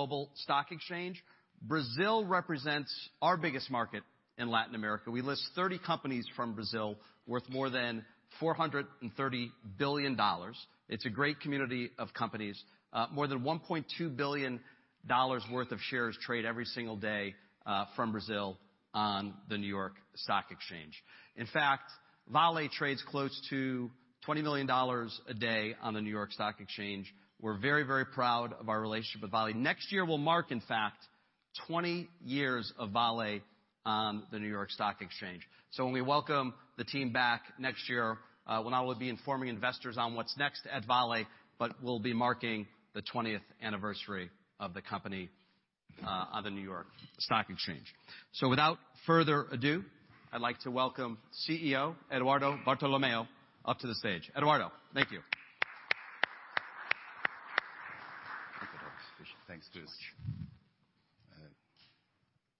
Global Stock Exchange. Brazil represents our biggest market in Latin America. We list 30 companies from Brazil worth more than BRL 430 billion. It's a great community of companies. More than BRL 1.2 billion worth of shares trade every single day from Brazil on the New York Stock Exchange. In fact, Vale trades close to BRL 20 million a day on the New York Stock Exchange. We're very proud of our relationship with Vale. Next year will mark, in fact, 20 years of Vale on the New York Stock Exchange. When we welcome the team back next year, we not only will be informing investors on what's next at Vale, but we'll be marking the 20th anniversary of the company on the New York Stock Exchange. Without further ado, I'd like to welcome CEO Eduardo Bartolomeo up to the stage. Eduardo, thank you. Thanks so much.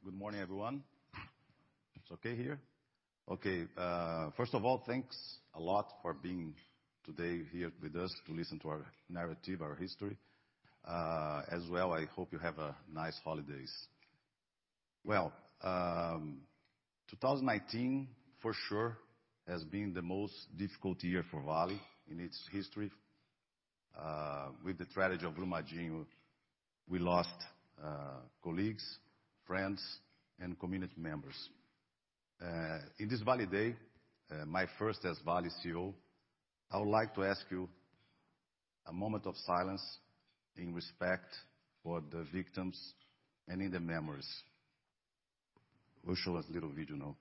Good morning, everyone. It's okay here? Okay. First of all, thanks a lot for being here today with us to listen to our narrative, our history. As well, I hope you have a nice holidays. Well, 2019, for sure, has been the most difficult year for Vale in its history. With the tragedy of Brumadinho, we lost colleagues, friends, and community members. In this Vale Day, my first as Vale's CEO, I would like to ask you a moment of silence in respect for the victims and in their memories. We'll show a little video now.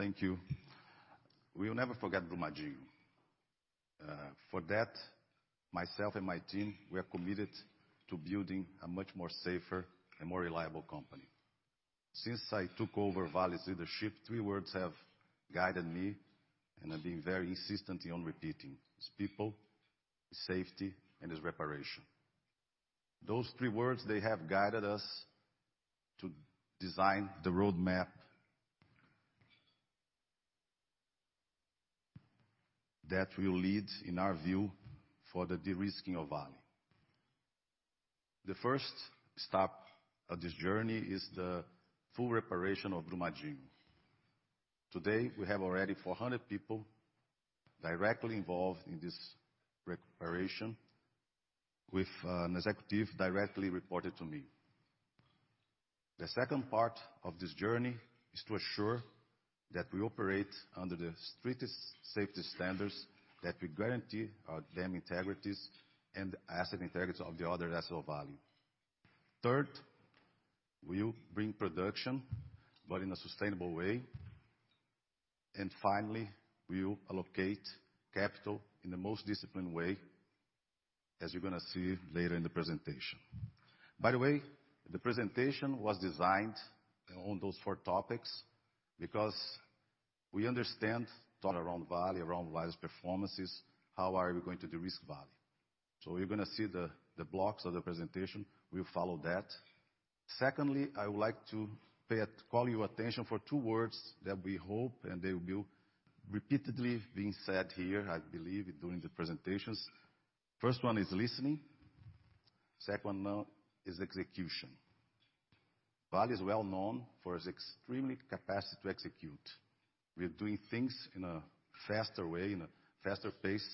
Thank you. We will never forget Brumadinho. For that, myself and my team, we are committed to building a much more safer and more reliable company. Since I took over Vale's leadership, three words have guided me, and I've been very insistent on repeating. It's people, it's safety, and it's reparation. Those three words, they have guided us to design the roadmap that will lead, in our view, for the de-risking of Vale. The first step of this journey is the full reparation of Brumadinho. Today, we have already 400 people directly involved in this reparation with an executive directly reported to me. The second part of this journey is to assure that we operate under the strictest safety standards, that we guarantee our dam integrities and the asset integrities of the other assets of Vale. Third, we will bring production, but in a sustainable way. Finally, we will allocate capital in the most disciplined way, as you're going to see later in the presentation. By the way, the presentation was designed on those four topics because we understand all around Vale, around Vale's performances, how are we going to de-risk Vale. You're going to see the blocks of the presentation. We'll follow that. Secondly, I would like to call your attention for two words that we hope, they will be repeatedly being said here, I believe, during the presentations. First one is listening. Second one is execution. Vale is well known for its extremely capacity to execute. We are doing things in a faster way, in a faster pace,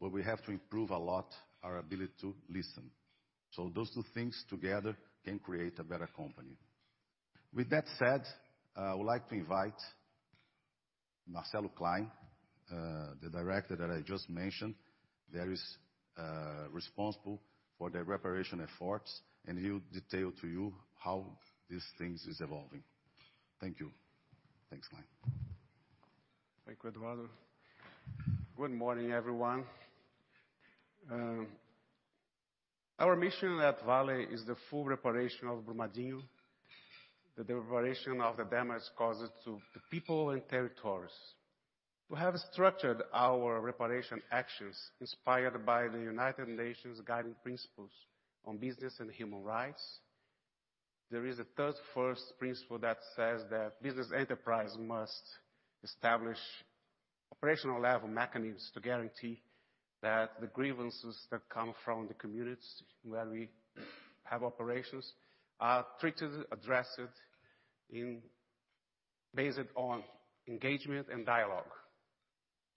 but we have to improve a lot our ability to listen. Those two things together can create a better company. With that said, I would like to invite Marcelo Klein, the director that I just mentioned, that is responsible for the reparation efforts, and he'll detail to you how these things is evolving. Thank you. Thanks, Klein. Thank you, Eduardo. Good morning, everyone. Our mission at Vale is the full reparation of Brumadinho, the reparation of the damage caused to the people and territories. We have structured our reparation actions inspired by the United Nations guiding principles on business and human rights. There is a third first principle that says that business enterprise must establish operational level mechanisms to guarantee that the grievances that come from the communities where we have operations are treated, addressed, based on engagement and dialogue.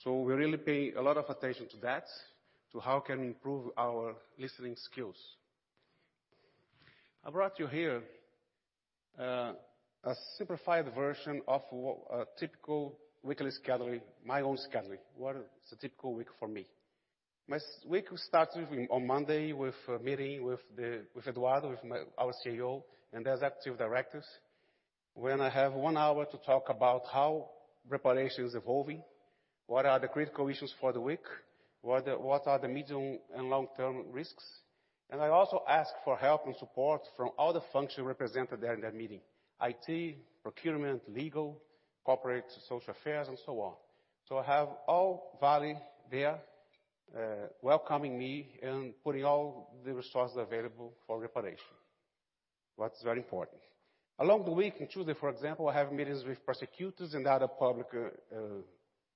We really pay a lot of attention to that, to how can we improve our listening skills. I brought you here a simplified version of a typical weekly schedule, my own schedule, what is a typical week for me. My week will start on Monday with a meeting with Eduardo, our CEO, and the executive directors. When I have one hour to talk about how reparation is evolving, what are the critical issues for the week, what are the medium and long-term risks, and I also ask for help and support from all the functions represented there in that meeting, IT, procurement, legal, corporate social affairs, and so on. I have all Vale there, welcoming me and putting all the resources available for reparation, what's very important. Along the week, on Tuesday, for example, I have meetings with prosecutors and other public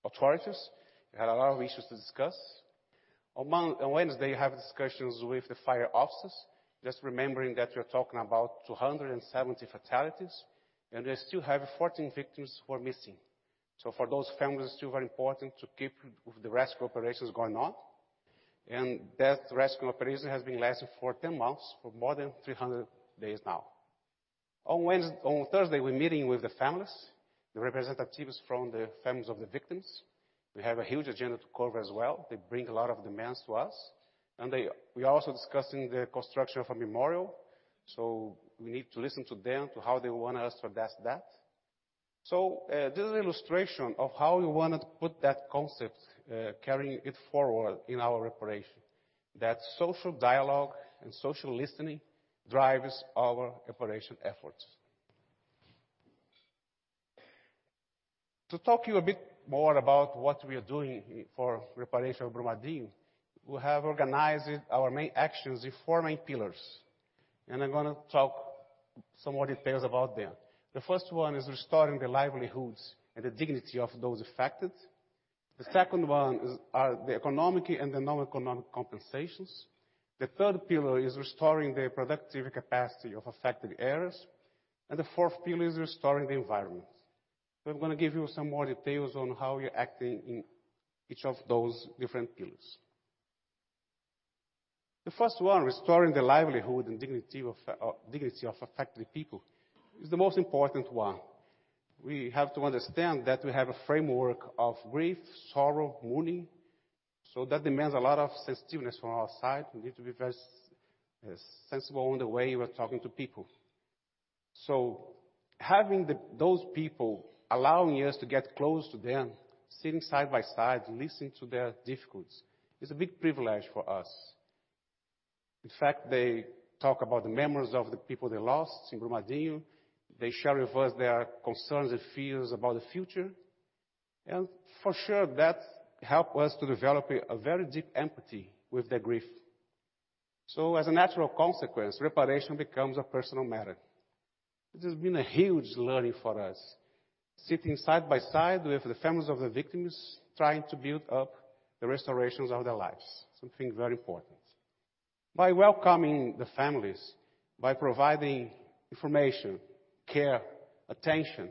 authorities. We had a lot of issues to discuss. On Wednesday, I have discussions with the fire officers, just remembering that we're talking about 270 fatalities, and we still have 14 victims who are missing. For those families, it's still very important to keep the rescue operations going on. That rescue operation has been lasting for 10 months, for more than 300 days now. On Thursday, we're meeting with the families, the representatives from the families of the victims. We have a huge agenda to cover as well. They bring a lot of demands to us. We're also discussing the construction of a memorial. We need to listen to them to how they want us to address that. This is an illustration of how we wanted to put that concept, carrying it forward in our reparation, that social dialogue and social listening drives our reparation efforts. To talk to you a bit more about what we are doing for reparation of Brumadinho, we have organized our main actions in four main pillars. I'm going to talk some more details about them. The first one is restoring the livelihoods and the dignity of those affected. The second one are the economic and the non-economic compensations. The third pillar is restoring the productive capacity of affected areas. The fourth pillar is restoring the environment. I'm going to give you some more details on how we are acting in each of those different pillars. The first one, restoring the livelihood and dignity of affected people, is the most important one. We have to understand that we have a framework of grief, sorrow, mourning. That demands a lot of sensitivity from our side. We need to be very sensible in the way we're talking to people. Having those people allowing us to get close to them, sitting side by side, listening to their difficulties, is a big privilege for us. In fact, they talk about the memories of the people they lost in Brumadinho. They share with us their concerns and fears about the future. For sure, that help us to develop a very deep empathy with their grief. As a natural consequence, reparation becomes a personal matter. This has been a huge learning for us. Sitting side by side with the families of the victims, trying to build up the restorations of their lives, something very important. By welcoming the families, by providing information, care, attention,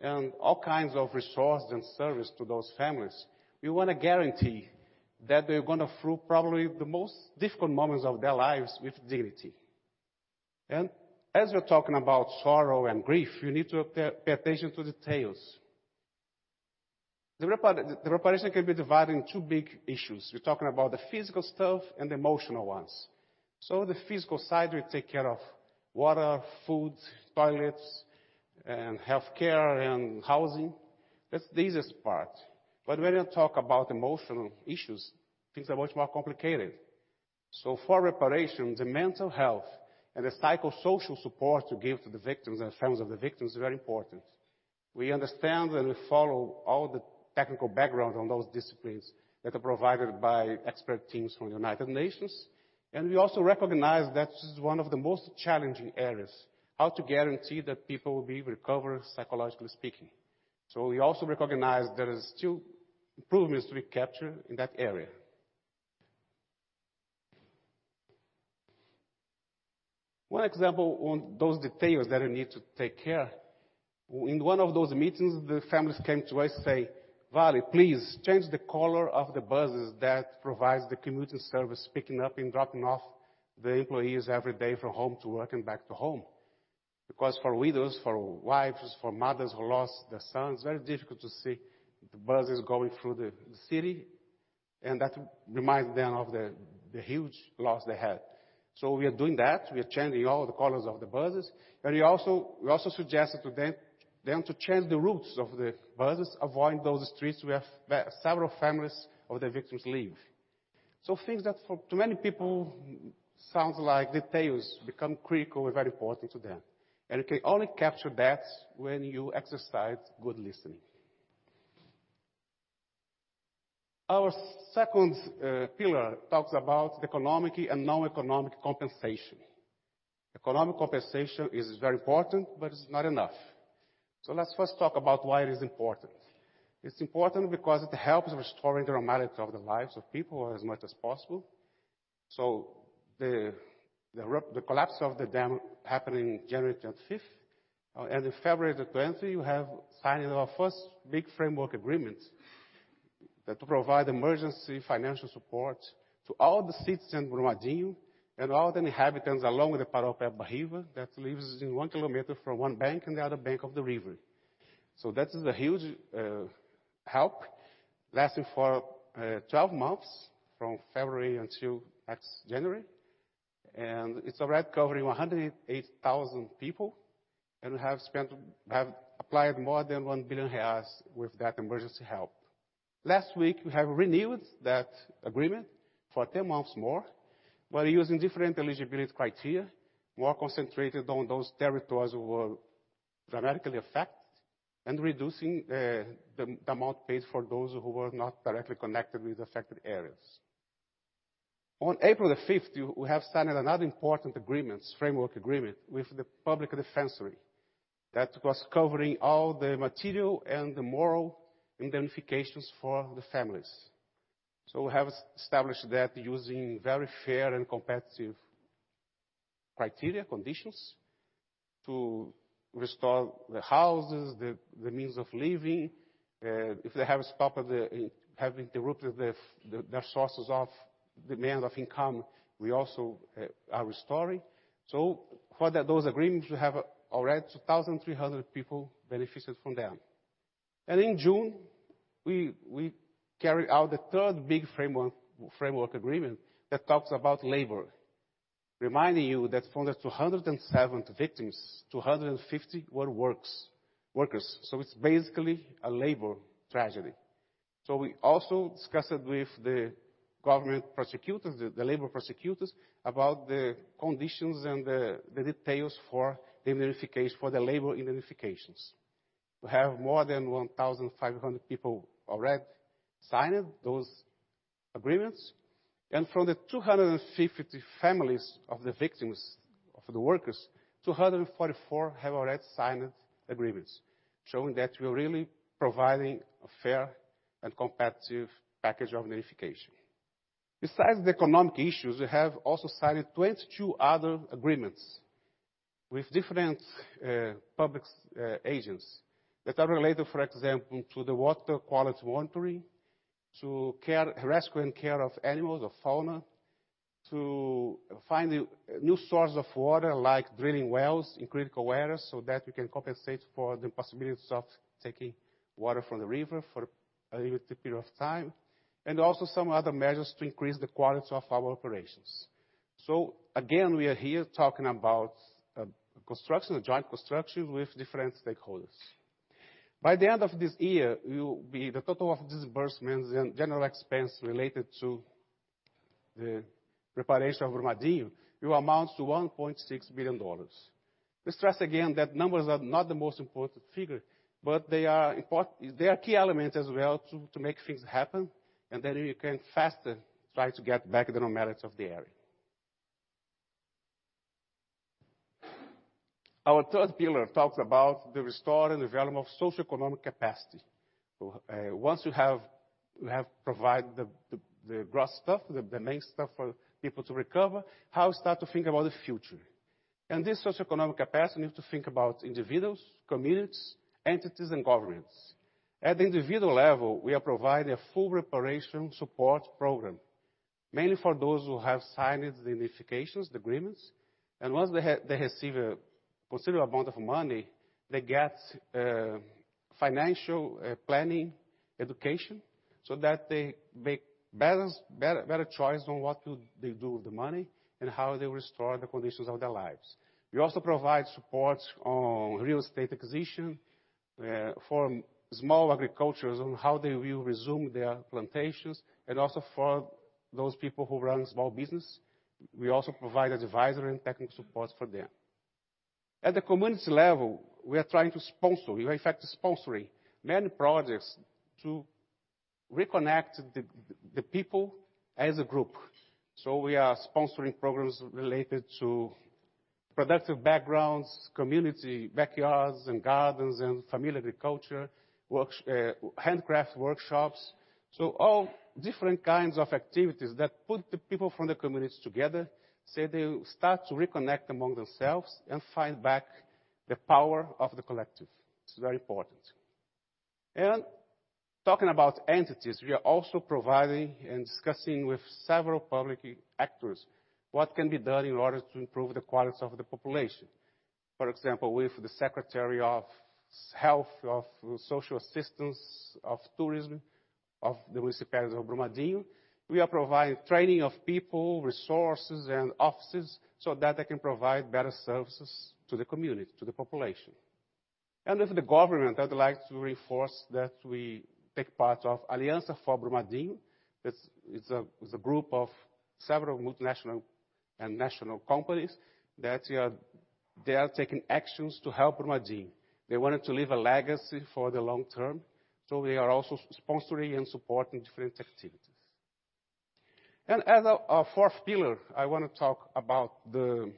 and all kinds of resources and service to those families, we want to guarantee that they're going to through probably the most difficult moments of their lives with dignity. As we're talking about sorrow and grief, you need to pay attention to details. The reparation can be divided in two big issues. We're talking about the physical stuff and the emotional ones. The physical side, we take care of water, food, toilets, and healthcare and housing. That's the easiest part. When you talk about emotional issues, things are much more complicated. For reparation, the mental health and the psychosocial support to give to the victims and families of the victims is very important. We understand and we follow all the technical background on those disciplines that are provided by expert teams from the United Nations. We also recognize that this is one of the most challenging areas, how to guarantee that people will be recovered, psychologically speaking. We also recognize there is still improvements to be captured in that area. One example on those details that you need to take care, in one of those meetings, the families came to us say, "Vale, please change the color of the buses that provides the commuting service, picking up and dropping off the employees every day from home to work and back to home." Because for widows, for wives, for mothers who lost their sons, very difficult to see the buses going through the city, and that reminds them of the huge loss they had. We are doing that. We are changing all the colors of the buses. We also suggested to them to change the routes of the buses, avoiding those streets where several families of the victims live. Things that for too many people sounds like details, become critical and very important to them. You can only capture that when you exercise good listening. Our second pillar talks about economic and non-economic compensation. Economic compensation is very important, but it's not enough. Let's first talk about why it is important. It's important because it helps restoring the normality of the lives of people as much as possible. The collapse of the dam happened in January 25th, and in February 20th, we have signed our first big framework agreement to provide emergency financial support to all the citizens in Brumadinho and all the inhabitants along the Paraopeba River that lives in one kilometer from one bank and the other bank of the river. That is a huge help, lasting for 12 months from February until next January, and it's already covering 108,000 people. We have applied more than 1 billion reais with that emergency help. Last week, we have renewed that agreement for 10 months more, while using different eligibility criteria, more concentrated on those territories who were dramatically affected and reducing the amount paid for those who were not directly connected with affected areas. On April the 5th, we have signed another important framework agreement with the public defensory that was covering all the material and the moral indemnifications for the families. We have established that using very fair and competitive criteria, conditions to restore the houses, the means of living. If they have interrupted their sources of demands of income, we also are restoring. For those agreements, we have already 2,300 people benefited from them. In June, we carry out the third big framework agreement that talks about labor. Reminding you that from the 207 victims, 250 were workers. It's basically a labor tragedy. We also discussed it with the government prosecutors, the labor prosecutors, about the conditions and the details for the labor indemnifications. We have more than 1,500 people already signed those agreements, and from the 250 families of the victims of the workers, 244 have already signed agreements showing that we're really providing a fair and competitive package of indemnification. Besides the economic issues, we have also signed 22 other agreements with different public agents that are related, for example, to the water quality monitoring, to rescue and care of animals, of fauna, to find new source of water, like drilling wells in critical areas, so that we can compensate for the impossibilities of taking water from the river for a limited period of time, and also some other measures to increase the quality of our operations. Again, we are here talking about construction, a joint construction with different stakeholders. By the end of this year, the total of disbursements and general expense related to the preparation of Brumadinho will amount to BRL 1.6 billion. We stress again that numbers are not the most important figure, but they are key element as well to make things happen, and then we can faster try to get back the normality of the area. Our third pillar talks about the restore and development of socioeconomic capacity. Once you have provide the gross stuff, the main stuff for people to recover, how start to think about the future. In this socioeconomic capacity, we have to think about individuals, communities, entities, and governments. At the individual level, we are providing a full reparation support program, mainly for those who have signed the indemnifications, the agreements. Once they receive a considerable amount of money, they get financial planning education so that they make better choice on what will they do with the money and how they restore the conditions of their lives. We also provide support on real estate acquisition for small agricultures on how they will resume their plantations, and also for those people who run small business, we also provide advisory and technical support for them. At the community level, we are in fact sponsoring many projects to reconnect the people as a group. We are sponsoring programs related to productive backgrounds, community backyards and gardens, and family agriculture, handcraft workshops. All different kinds of activities that put the people from the communities together, so they start to reconnect among themselves and find back the power of the collective. It's very important. Talking about entities, we are also providing and discussing with several public actors what can be done in order to improve the quality of the population. For example, with the Secretary of Health, of Social Assistance, of Tourism, of the Municipality of Brumadinho, we are providing training of people, resources, and offices so that they can provide better services to the community, to the population. With the government, I'd like to reinforce that we take part of Aliança por Brumadinho. It's a group of several multinational and national companies that They are taking actions to help Brumadinho. They wanted to leave a legacy for the long term. They are also sponsoring and supporting different activities. As a fourth pillar, I want to talk about the-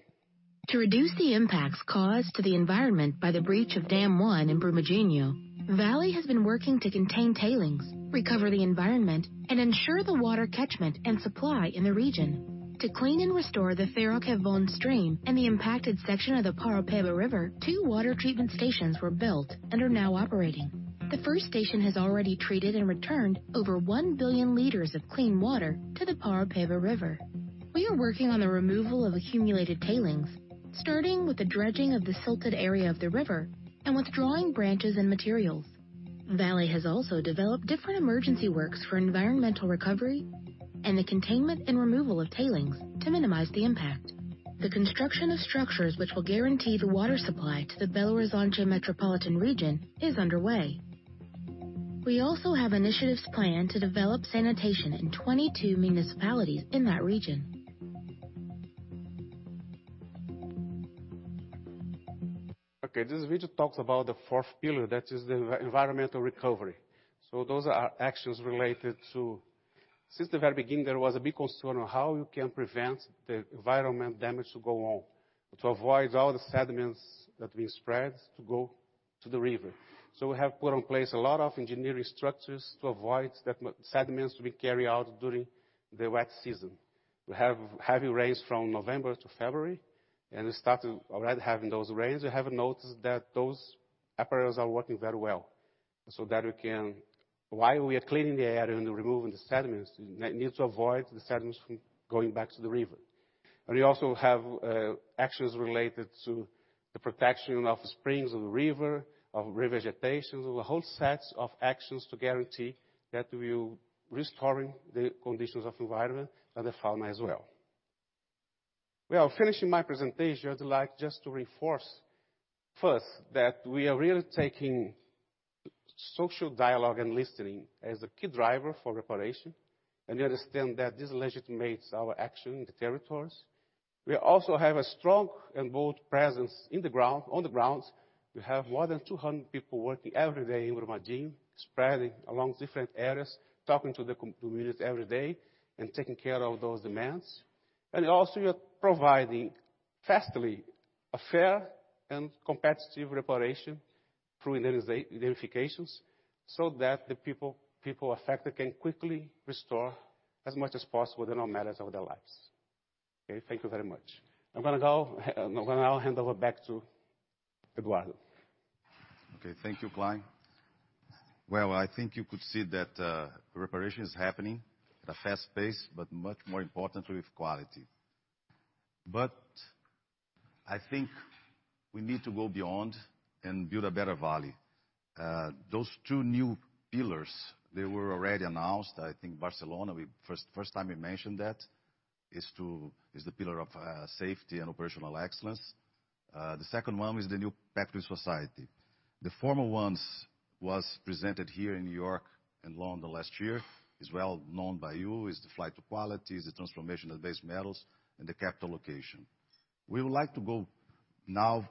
To reduce the impacts caused to the environment by the breach of dam 1 in Brumadinho, Vale has been working to contain tailings, recover the environment, and ensure the water catchment and supply in the region. To clean and restore the Ferro-Carvão stream and the impacted section of the Paraopeba River, two water treatment stations were built and are now operating. The first station has already treated and returned over 1 billion liters of clean water to the Paraopeba River. We are working on the removal of accumulated tailings, starting with the dredging of the silted area of the river and withdrawing branches and materials. Vale has also developed different emergency works for environmental recovery and the containment and removal of tailings to minimize the impact. The construction of structures which will guarantee the water supply to the Belo Horizonte metropolitan region is underway. We also have initiatives planned to develop sanitation in 22 municipalities in that region. Okay. This video talks about the fourth pillar, that is the environmental recovery. Since the very beginning, there was a big concern on how you can prevent the environmental damage to go on, to avoid all the sediments that we spread to go to the river. We have put in place a lot of engineering structures to avoid sediments to be carried out during the wet season. We have heavy rains from November to February, and we started already having those rains. We have noticed that those apparatus are working very well. While we are cleaning the area and removing the sediments, we need to avoid the sediments from going back to the river. We also have actions related to the protection of the springs of the river, of revegetation. There's a whole set of actions to guarantee that we're restoring the conditions of environment and the fauna as well. Finishing my presentation, I'd like just to reinforce first that we are really taking social dialogue and listening as a key driver for reparation, and we understand that this legitimates our action in the territories. We also have a strong and bold presence on the ground. We have more than 200 people working every day in Brumadinho, spreading along different areas, talking to the communities every day and taking care of those demands. We are providing fastly a fair and competitive reparation through indemnifications so that the people affected can quickly restore as much as possible the normalities of their lives. Okay. Thank you very much. I'm going to now hand over back to Eduardo. Okay. Thank you, Klein. Well, I think you could see that reparation is happening at a fast pace, much more importantly, with quality. I think we need to go beyond and build a better Vale. Those two new pillars, they were already announced. I think Barcelona, first time we mentioned that, is the pillar of safety and operational excellence. The second one is the new pact with society. The former ones was presented here in New York and London last year. Is well known by you, is the flight to quality, is the transformation of base metals and the capital allocation. We would like to go now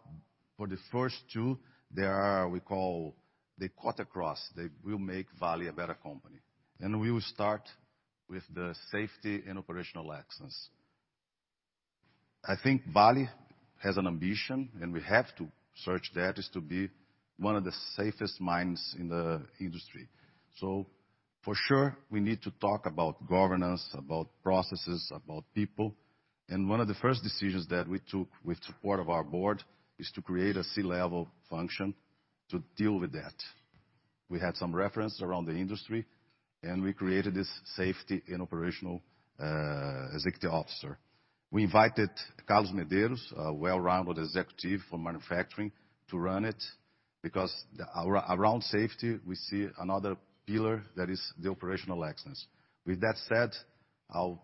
for the first two. They are what we call the cut across, that will make Vale a better company, we will start with the safety and operational excellence. I think Vale has an ambition, and we have to search that, is to be one of the safest mines in the industry. For sure, we need to talk about governance, about processes, about people, and one of the first decisions that we took with support of our board is to create a C-level function to deal with that. We had some reference around the industry, and we created this Safety and Operational Executive Officer. We invited Carlos Medeiros, a well-rounded executive from manufacturing to run it because around safety, we see another pillar that is the operational excellence. With that said, I'll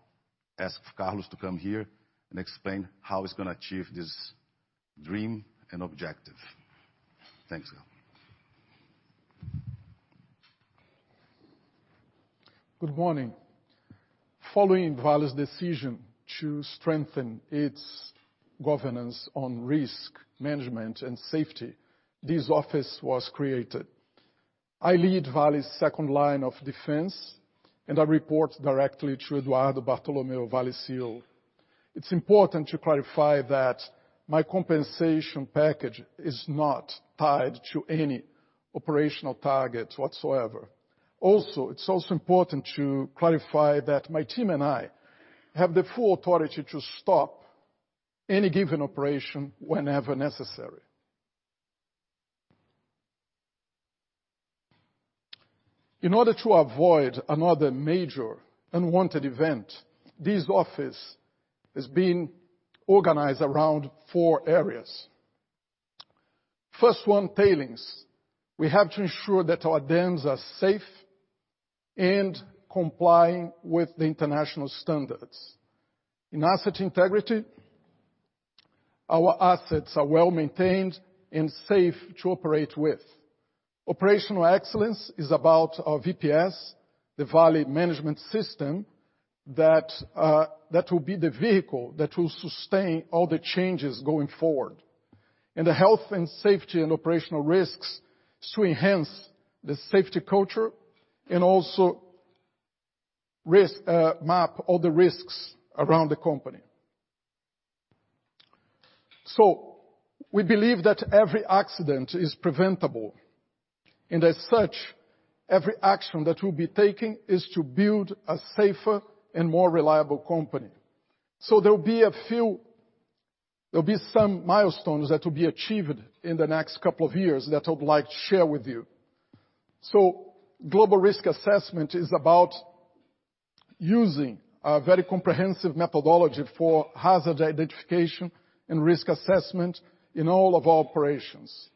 ask Carlos to come here and explain how he's going to achieve this dream and objective. Thanks. Good morning. Following Vale's decision to strengthen its governance on risk management and safety, this office was created. I lead Vale's second line of defense, and I report directly to Eduardo Bartholomeu Vale e Silva. It's important to clarify that my compensation package is not tied to any operational targets whatsoever. Also, it's also important to clarify that my team and I have the full authority to stop any given operation whenever necessary. In order to avoid another major unwanted event, this office is being organized around four areas. First one, tailings. We have to ensure that our dams are safe and complying with the international standards. In asset integrity, our assets are well-maintained and safe to operate with. Operational excellence is about our VPS, the Vale Production System, that will be the vehicle that will sustain all the changes going forward. The health and safety and operational risks to enhance the safety culture and also map all the risks around the company. We believe that every accident is preventable. As such, every action that we'll be taking is to build a safer and more reliable company. There'll be some milestones that will be achieved in the next couple of years that I would like to share with you. Global risk assessment is about using a very comprehensive methodology for hazard identification and risk assessment in all of our operations.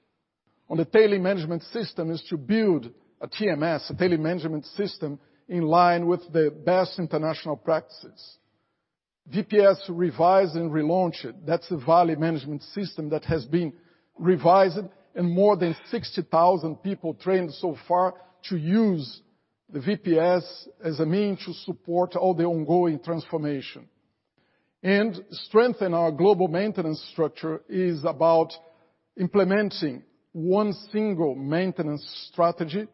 The Tailings Management System is to build a TMS, a Tailings Management System, in line with the best international practices. VPS revise and relaunch it. That's the Vale Production System that has been revised and more than 60,000 people trained so far to use the VPS as a means to support all the ongoing transformation. Strengthen our global maintenance structure is about implementing one single maintenance strategy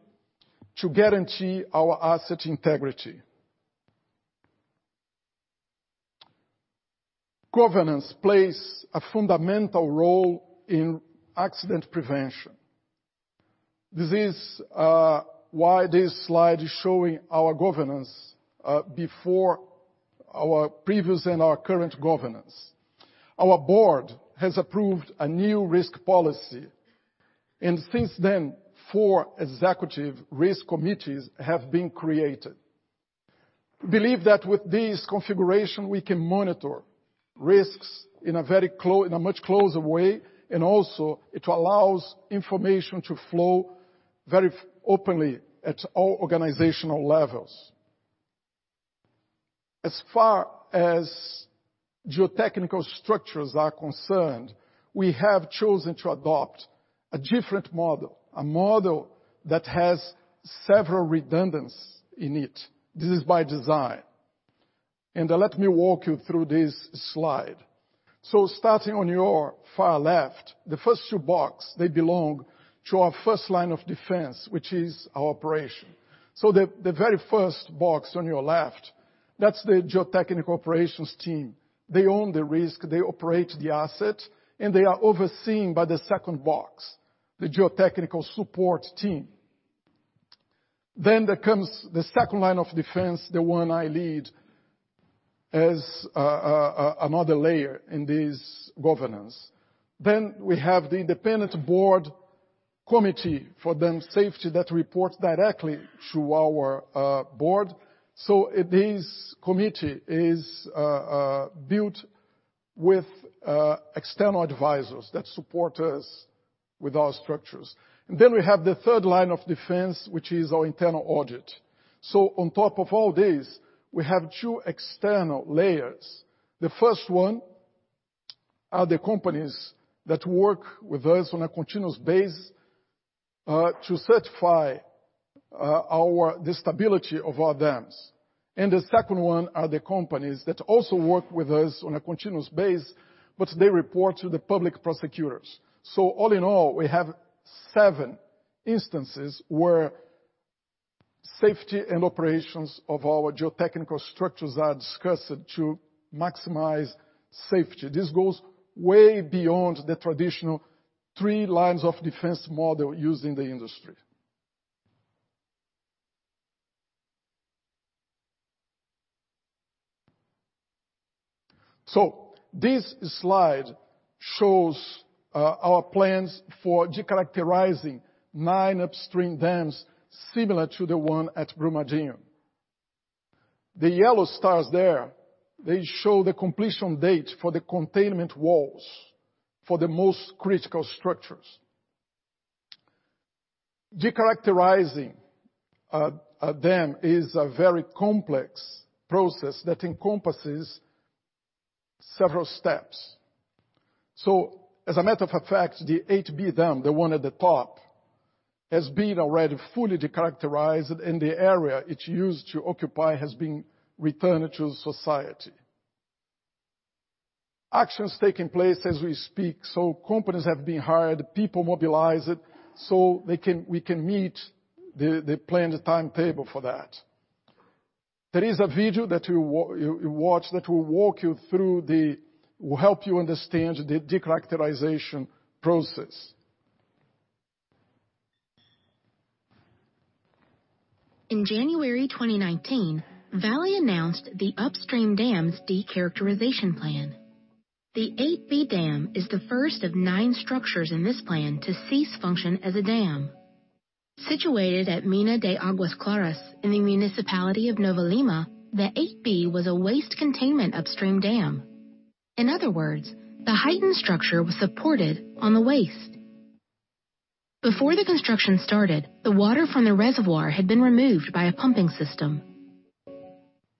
to guarantee our asset integrity. Governance plays a fundamental role in accident prevention. This is why this slide is showing our governance before our previous and our current governance. Our board has approved a new risk policy. Since then, four executive risk committees have been created. We believe that with this configuration, we can monitor risks in a much closer way. Also, it allows information to flow very openly at all organizational levels. As far as geotechnical structures are concerned, we have chosen to adopt a different model, a model that has several redundancies in it. This is by design. Let me walk you through this slide. Starting on your far left, the first two boxes, they belong to our first line of defense, which is our operation. The very first box on your left, that's the geotechnical operations team. They own the risk, they operate the asset, and they are overseen by the second box, the geotechnical support team. There comes the second line of defense, the one I lead, as another layer in this governance. We have the independent board committee for dam safety that reports directly to our board. This committee is built with external advisors that support us with our structures. We have the third line of defense, which is our internal audit. On top of all this, we have two external layers. The first one are the companies that work with us on a continuous base to certify the stability of our dams. The second one are the companies that also work with us on a continuous base, but they report to the public prosecutors. All in all, we have seven instances where safety and operations of our geotechnical structures are discussed to maximize safety. This goes way beyond the traditional three lines of defense model used in the industry. This slide shows our plans for de-characterizing nine upstream dams similar to the one at Brumadinho. The yellow stars there, they show the completion date for the containment walls for the most critical structures. De-characterizing a dam is a very complex process that encompasses several steps. As a matter of fact, the 8B dam, the one at the top, has been already fully de-characterized, and the area it used to occupy has been returned to society. Action's taking place as we speak, so companies have been hired, people mobilized, so we can meet the planned timetable for that. There is a video that you'll watch that will help you understand the de-characterization process. In January 2019, Vale announced the upstream dams de-characterization plan. The 8B dam is the first of nine structures in this plan to cease function as a dam. Situated at Mina de Águas Claras in the municipality of Nova Lima, the 8B was a waste containment upstream dam. In other words, the heightened structure was supported on the waste. Before the construction started, the water from the reservoir had been removed by a pumping system.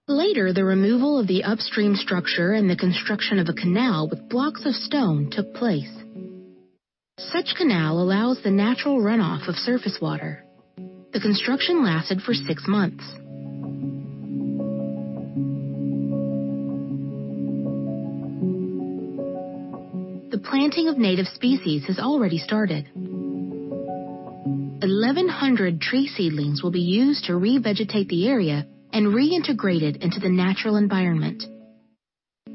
Later, the removal of the upstream structure and the construction of a canal with blocks of stone took place. Such canal allows the natural runoff of surface water. The construction lasted for six months. The planting of native species has already started. 1,100 tree seedlings will be used to revegetate the area and reintegrate it into the natural environment.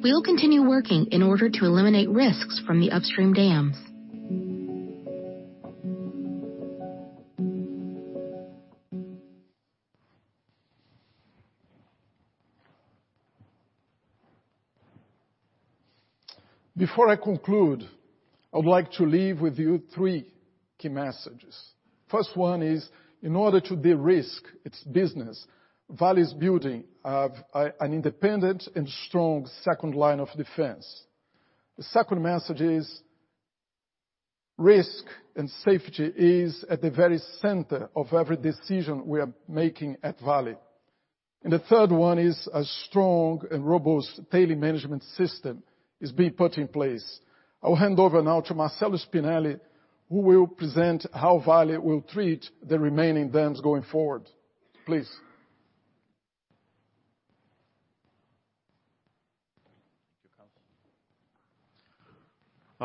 We will continue working in order to eliminate risks from the upstream dams. Before I conclude, I would like to leave with you three key messages. First one is, in order to de-risk its business, Vale is building an independent and strong second line of defense. The second message is, risk and safety is at the very center of every decision we are making at Vale. The third one is a strong and robust Tailings Management System is being put in place. I will hand over now to Marcello Spinelli, who will present how Vale will treat the remaining dams going forward. Please.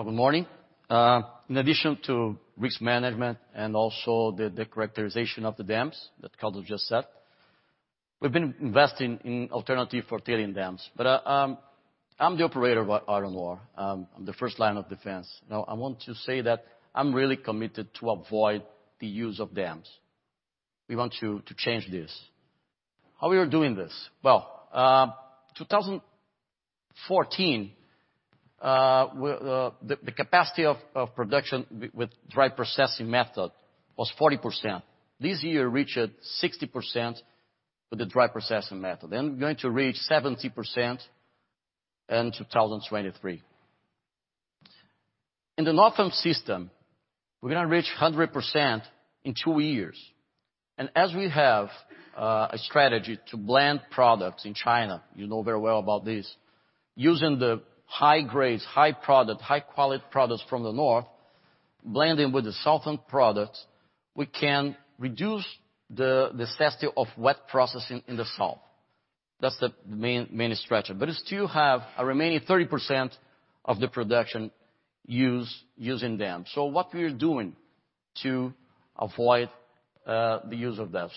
Good morning. In addition to risk management and also the characterization of the dams that Carlos just said, we've been investing in alternative for tailings dams. I'm the operator of iron ore. I'm the first line of defense. Now, I want to say that I'm really committed to avoid the use of dams. We want to change this. How we are doing this? Well, 2014, the capacity of production with dry processing method was 40%. This year reached 60% with the dry processing method, and going to reach 70% in 2023. In the Northern System, we're going to reach 100% in two years. As we have a strategy to blend products in China, you know very well about this, using the high grades, high product, high quality products from the North, blending with the southern products, we can reduce the necessity of wet processing in the South. That's the main strategy. We still have a remaining 30% of the production using dams. What we are doing to avoid the use of dams?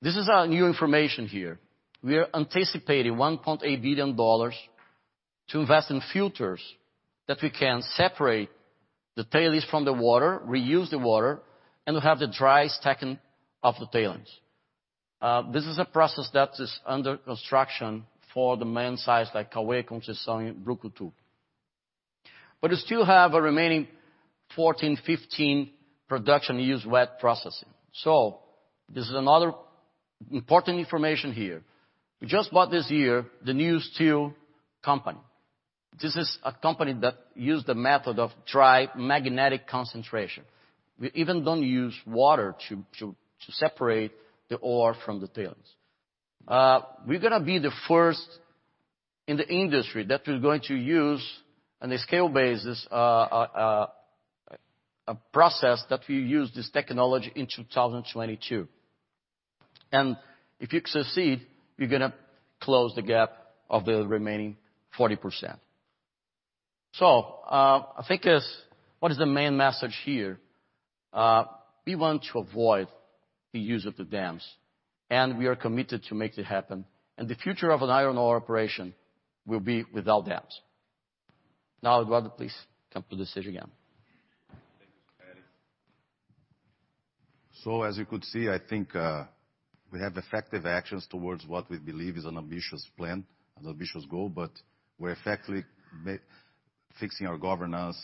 This is our new information here. We are anticipating $1.8 billion to invest in filters that we can separate the tailings from the water, reuse the water, and have the dry stacking of the tailings. This is a process that is under construction for the main sites like Cauê, Conceição and Brucutu 2. We still have a remaining 14%-15% production use wet processing. This is another important information here. We just bought this year the New Steel company. This is a company that use the method of dry magnetic concentration. We even don't use water to separate the ore from the tailings. We're gonna be the first in the industry that we're going to use on a scale basis, a process that we use this technology in 2022. If you succeed, we're gonna close the gap of the remaining 40%. I think as, what is the main message here? We want to avoid the use of the dams, and we are committed to make it happen. The future of an iron ore operation will be without dams. Now, Eduardo please, come to the stage again. Thank you, Marcelo. As you could see, I think we have effective actions towards what we believe is an ambitious plan, an ambitious goal, but we're effectively fixing our governance,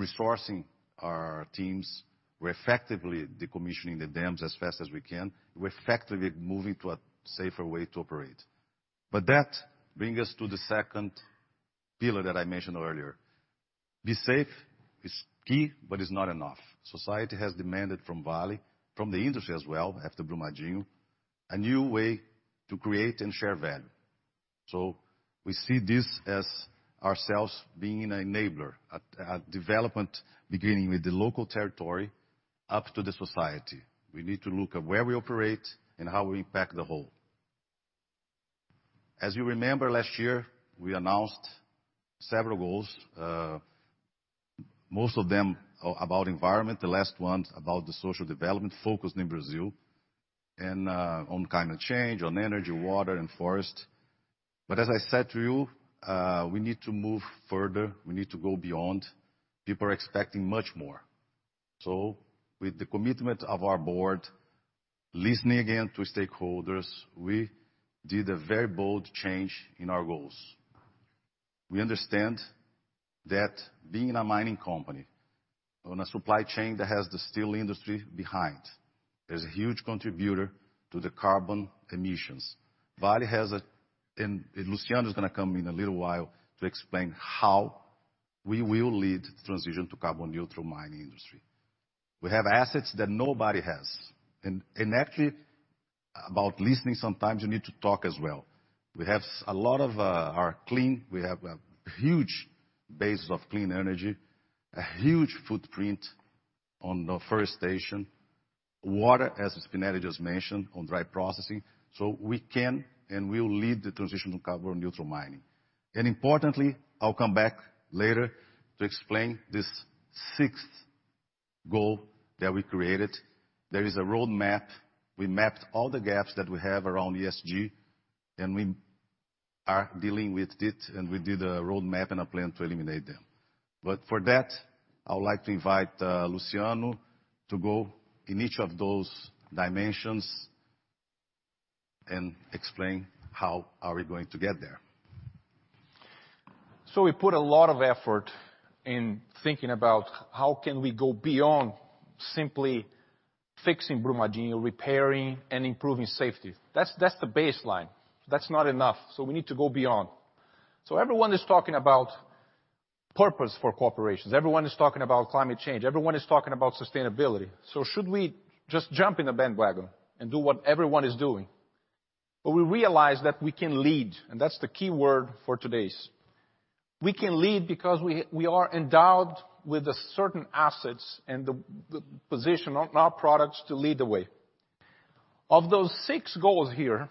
resourcing our teams. We're effectively decommissioning the dams as fast as we can. We're effectively moving to a safer way to operate. That bring us to the second pillar that I mentioned earlier. Be safe is key, but it's not enough. Society has demanded from Vale, from the industry as well, after Brumadinho, a new way to create and share value. We see this as ourselves being an enabler at development, beginning with the local territory up to the society. We need to look at where we operate and how we impact the whole. As you remember, last year, we announced several goals. Most of them about environment, the last ones about the social development focused in Brazil and on climate change, on energy, water, and forest. As I said to you, we need to move further. We need to go beyond. People are expecting much more. With the commitment of our board, listening again to stakeholders, we did a very bold change in our goals. We understand that being a mining company on a supply chain that has the steel industry behind is a huge contributor to the carbon emissions. Luciano is going to come in a little while to explain how we will lead the transition to carbon neutral mining industry. We have assets that nobody has. Actually, about listening, sometimes you need to talk as well. We have a huge base of clean energy, a huge footprint on the forestation, water, as Spinelli just mentioned, on dry processing. We can and will lead the transition to carbon neutral mining. Importantly, I'll come back later to explain this sixth goal that we created. There is a roadmap. We mapped all the gaps that we have around ESG, and we are dealing with it, and we did a roadmap and a plan to eliminate them. For that, I would like to invite Luciano to go in each of those dimensions and explain how are we going to get there. We put a lot of effort in thinking about how can we go beyond simply fixing Brumadinho, repairing and improving safety. That's the baseline. That's not enough, so we need to go beyond. Everyone is talking about purpose for corporations. Everyone is talking about climate change. Everyone is talking about sustainability. Should we just jump in the bandwagon and do what everyone is doing? We realized that we can lead, and that's the key word for today's. We can lead because we are endowed with the certain assets and the position of our products to lead the way. Of those six goals here,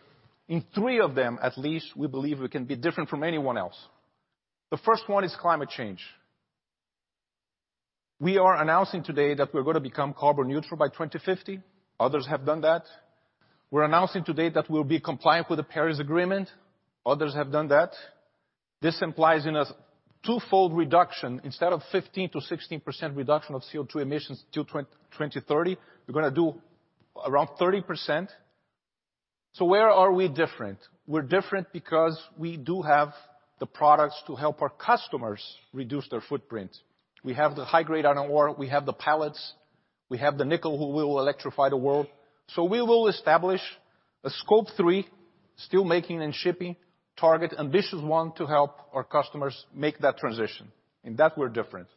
in three of them at least, we believe we can be different from anyone else. The first one is climate change. We are announcing today that we're going to become carbon neutral by 2050. Others have done that. We're announcing today that we'll be compliant with the Paris Agreement. Others have done that. This implies in a twofold reduction. Instead of 15%-16% reduction of CO2 emissions till 2030, we're gonna do around 30%. Where are we different? We're different because we do have the products to help our customers reduce their footprint. We have the high-grade iron ore, we have the pellets, we have the nickel, who will electrify the world. We will establish a Scope 3, steelmaking and shipping target, ambitious one to help our customers make that transition. In that we're different.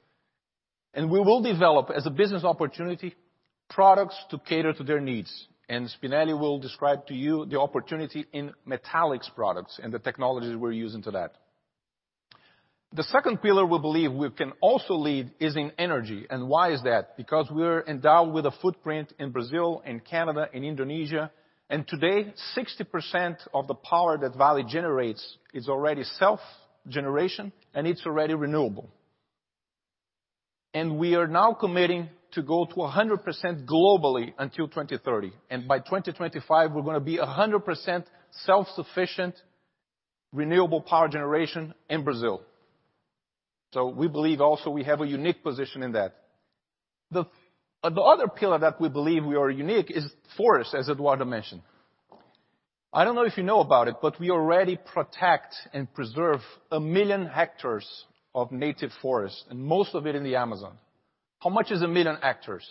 We will develop, as a business opportunity, products to cater to their needs. Spinelli will describe to you the opportunity in metallics products and the technologies we're using to that. The second pillar we believe we can also lead is in energy. Why is that? Because we're endowed with a footprint in Brazil and Canada and Indonesia. Today, 60% of the power that Vale generates is already self-generation, and it's already renewable. We are now committing to go to 100% globally until 2030. By 2025, we're gonna be 100% self-sufficient, renewable power generation in Brazil. We believe also we have a unique position in that. The other pillar that we believe we are unique is forest, as Eduardo mentioned. I don't know if you know about it, but we already protect and preserve 1 million hectares of native forest, and most of it in the Amazon. How much is 1 million hectares?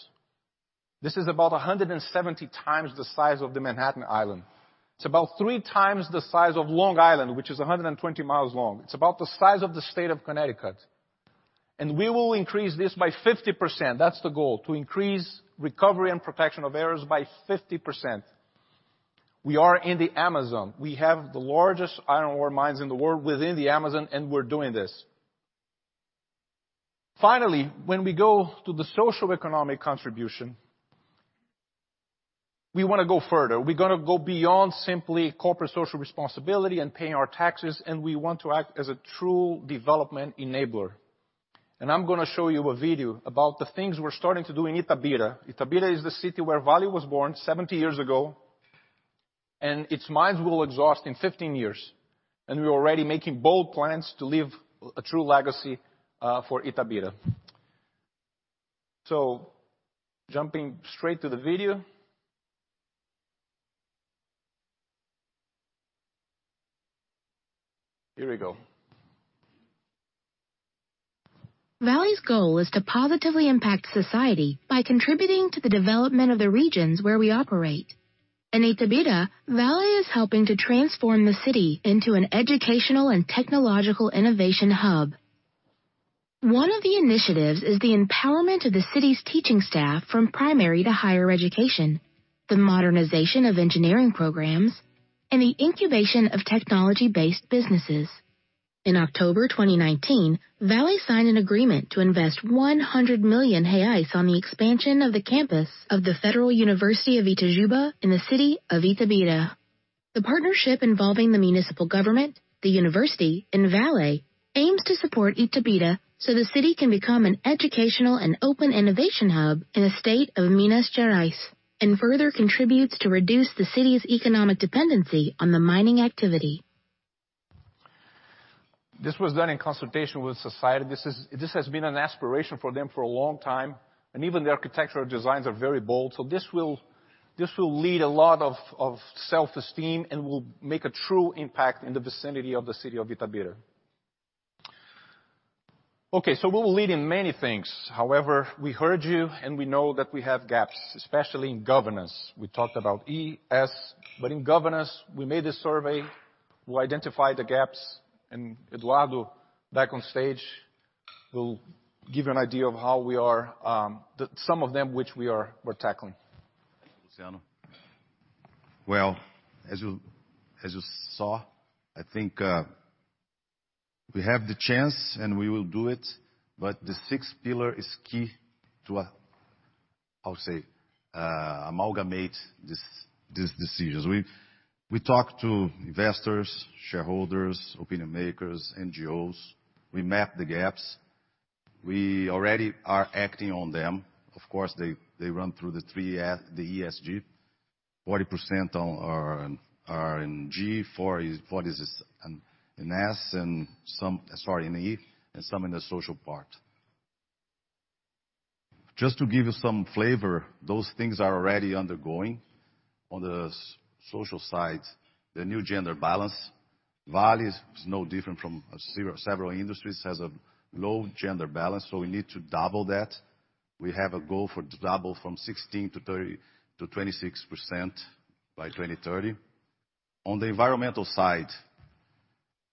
This is about 170 times the size of the Manhattan Island. It's about 3x the size of Long Island, which is 120 miles long. It's about the size of the state of Connecticut. We will increase this by 50%. That's the goal. To increase recovery and protection of areas by 50%. We are in the Amazon. We have the largest iron ore mines in the world within the Amazon, and we're doing this. Finally, when we go to the social economic contribution, we want to go further. We're gonna go beyond simply corporate social responsibility and paying our taxes, and we want to act as a true development enabler. I'm gonna show you a video about the things we're starting to do in Itabira. Itabira is the city where Vale was born 70 years ago, and its mines will exhaust in 15 years. We're already making bold plans to leave a true legacy for Itabira. Jumping straight to the video. Here we go. Vale's goal is to positively impact society by contributing to the development of the regions where we operate. In Itabira, Vale is helping to transform the city into an educational and technological innovation hub. One of the initiatives is the empowerment of the city's teaching staff from primary to higher education, the modernization of engineering programs, and the incubation of technology-based businesses. In October 2019, Vale signed an agreement to invest 100 million reais on the expansion of the campus of the Federal University of Itajubá in the city of Itabira. The partnership involving the municipal government, the university, and Vale aims to support Itabira so the city can become an educational and open innovation hub in the state of Minas Gerais and further contributes to reduce the city's economic dependency on the mining activity. This was done in consultation with society. This has been an aspiration for them for a long time, and even the architectural designs are very bold. This will lead a lot of self-esteem and will make a true impact in the vicinity of the city of Itabira. Okay, we will lead in many things. However, we heard you, and we know that we have gaps, especially in governance. We talked about ESG, but in governance, we made a survey. We'll identify the gaps, and Eduardo, back on stage, will give you an idea of some of them which we're tackling. Luciano. Well, as you saw, I think we have the chance, and we will do it, but the sixth pillar is key to, how to say, amalgamate these decisions. We talk to investors, shareholders, opinion makers, NGOs. We map the gaps. We already are acting on them. Of course, they run through the ESG. 40% are in G, 40 is in S, and some-- sorry, in E, and some in the social part. Just to give you some flavor, those things are already undergoing. On the social side, the new gender balance. Vale is no different from several industries. It has a low gender balance, so we need to double that. We have a goal for double from 16%-26% by 2030. On the environmental side,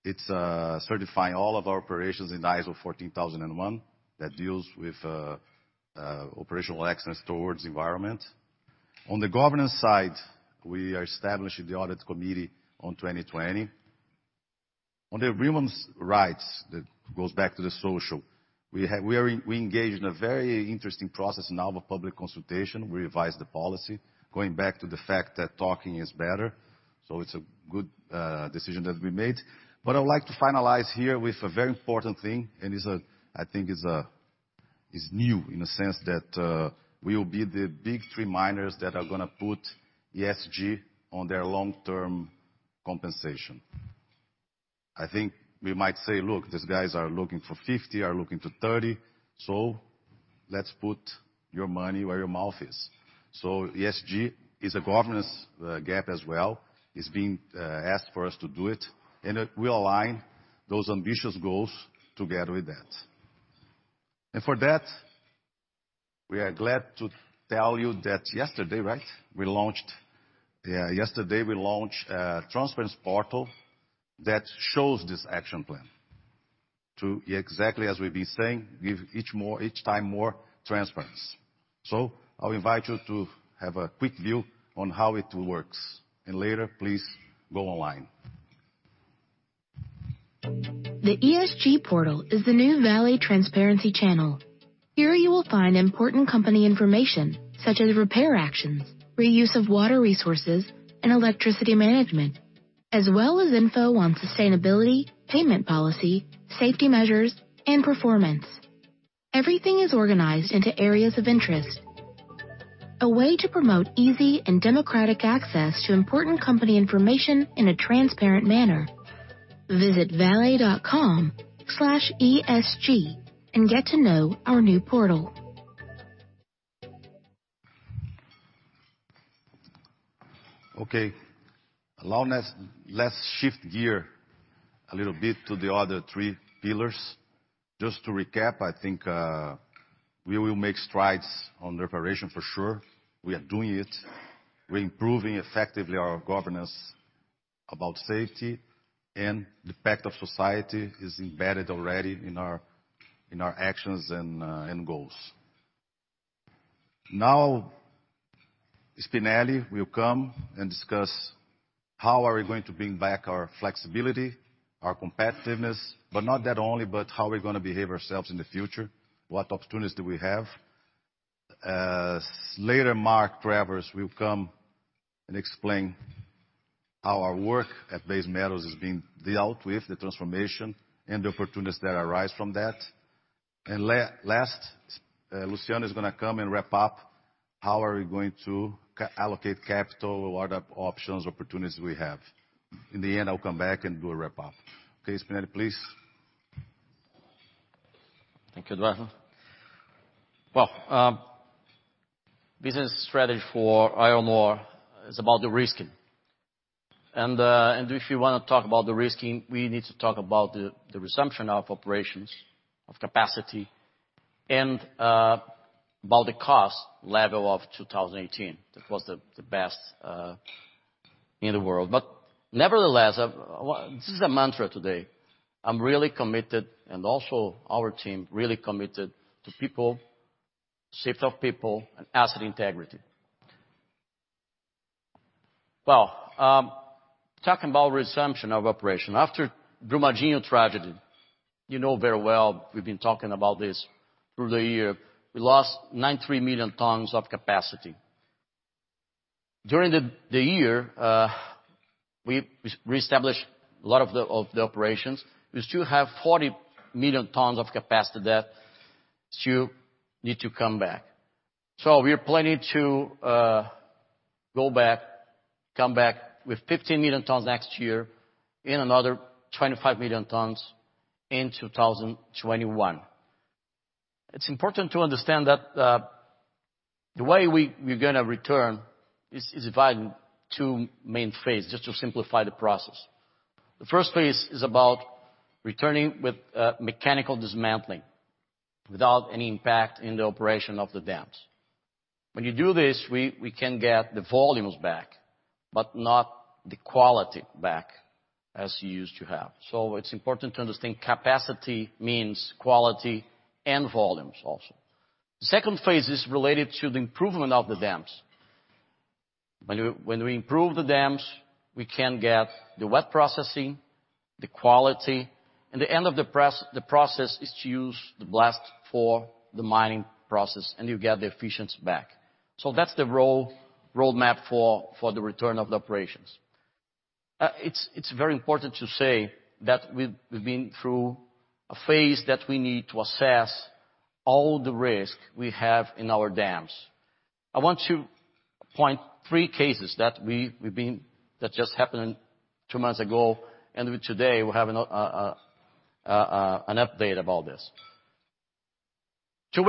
it's certifying all of our operations in ISO 14001 that deals with operational excellence towards environment. On the governance side, we are establishing the audit committee on 2020. On the human rights, that goes back to the social, we engaged in a very interesting process now of a public consultation. We revised the policy, going back to the fact that talking is better. It's a good decision that we made. I would like to finalize here with a very important thing, and I think it's new in the sense that we will be the big three miners that are going to put ESG on their long-term compensation. I think we might say, "Look, these guys are looking for 50, are looking to 30. Let's put your money where your mouth is." ESG is a governance gap as well. It's being asked for us to do it, and we align those ambitious goals together with that. For that, we are glad to tell you that yesterday, right? Yeah, yesterday we launched a transparency portal that shows this action plan to exactly as we've been saying, give each time more transparency. I'll invite you to have a quick view on how it works, and later, please go online. The ESG portal is the new Vale transparency channel. Here you will find important company information such as repair actions, reuse of water resources, and electricity management, as well as info on sustainability, payment policy, safety measures, and performance. Everything is organized into areas of interest. A way to promote easy and democratic access to important company information in a transparent manner. Visit vale.com/esg and get to know our new portal. Okay. Let's shift gear a little bit to the other three pillars. Just to recap, I think we will make strides on reparation for sure. We are doing it. We're improving effectively our governance about safety, and the impact of society is embedded already in our actions and goals. Now, Spinelli will come and discuss how are we going to bring back our flexibility, our competitiveness, but not that only, but how we're going to behave ourselves in the future, what opportunities do we have. Later, Mark Travers will come and explain how our work at Base Metals is being dealt with, the transformation, and the opportunities that arise from that. Last, Luciano is going to come and wrap up how are we going to allocate capital, what options, opportunities we have. In the end, I'll come back and do a wrap up. Okay, Spinelli, please. Thank you, Eduardo. Well, business strategy for iron ore is about de-risking. If you want to talk about de-risking, we need to talk about the resumption of operations, of capacity, and about the cost level of 2018. That was the best in the world. Nevertheless, this is a mantra today. I'm really committed, and also our team, really committed to people, safety of people and asset integrity. Well, talking about resumption of operation. After Brumadinho tragedy, you know very well we've been talking about this through the year. We lost 93 million tons of capacity. During the year, we reestablished a lot of the operations. We still have 40 million tons of capacity that still need to come back. We are planning to go back, come back with 15 million tons next year and another 25 million tons in 2021. It's important to understand that the way we're going to return is divided in two main phases, just to simplify the process. The first phase is about returning with mechanical dismantling without any impact in the operation of the dams. When you do this, we can get the volumes back, but not the quality back as we used to have. It's important to understand capacity means quality and volumes also. The second phase is related to the improvement of the dams. When we improve the dams, we can get the wet processing, the quality, and the end of the process is to use the blast for the mining process, and you get the efficiency back. That's the roadmap for the return of the operations. It's very important to say that we've been through a phase that we need to assess all the risk we have in our dams. I want to point three cases that just happened two months ago, and today, we have an update about this. Two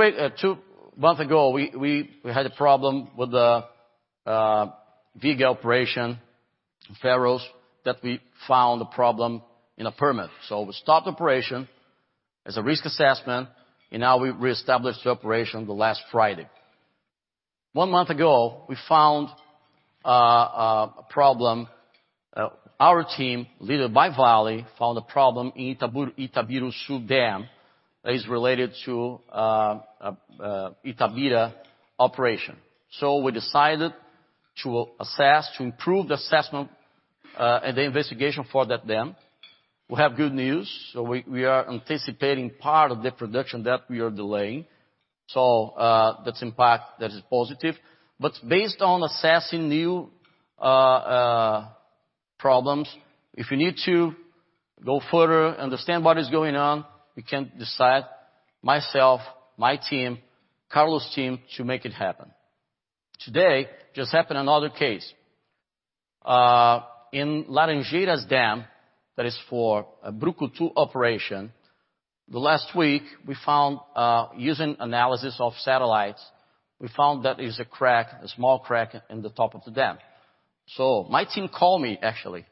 months ago, we had a problem with the Viga operation in Ferrous that we found a problem in a permit. We stopped operation as a risk assessment. Now we reestablished the operation the last Friday. One month ago, our team, led by Vale, found a problem in Itabiruçu dam that is related to Itabira operation. We decided to improve the assessment, and the investigation for that dam. We have good news. We are anticipating part of the production that we are delaying. That's impact that is positive. Based on assessing new problems, if we need to go further, understand what is going on, we can decide, myself, my team, Carlos' team to make it happen. Today, just happened another case. In Laranjeiras Dam, that is for Brucutu operation, the last week, using analysis of satellites, we found that there's a small crack in the top of the dam. My team called me, actually,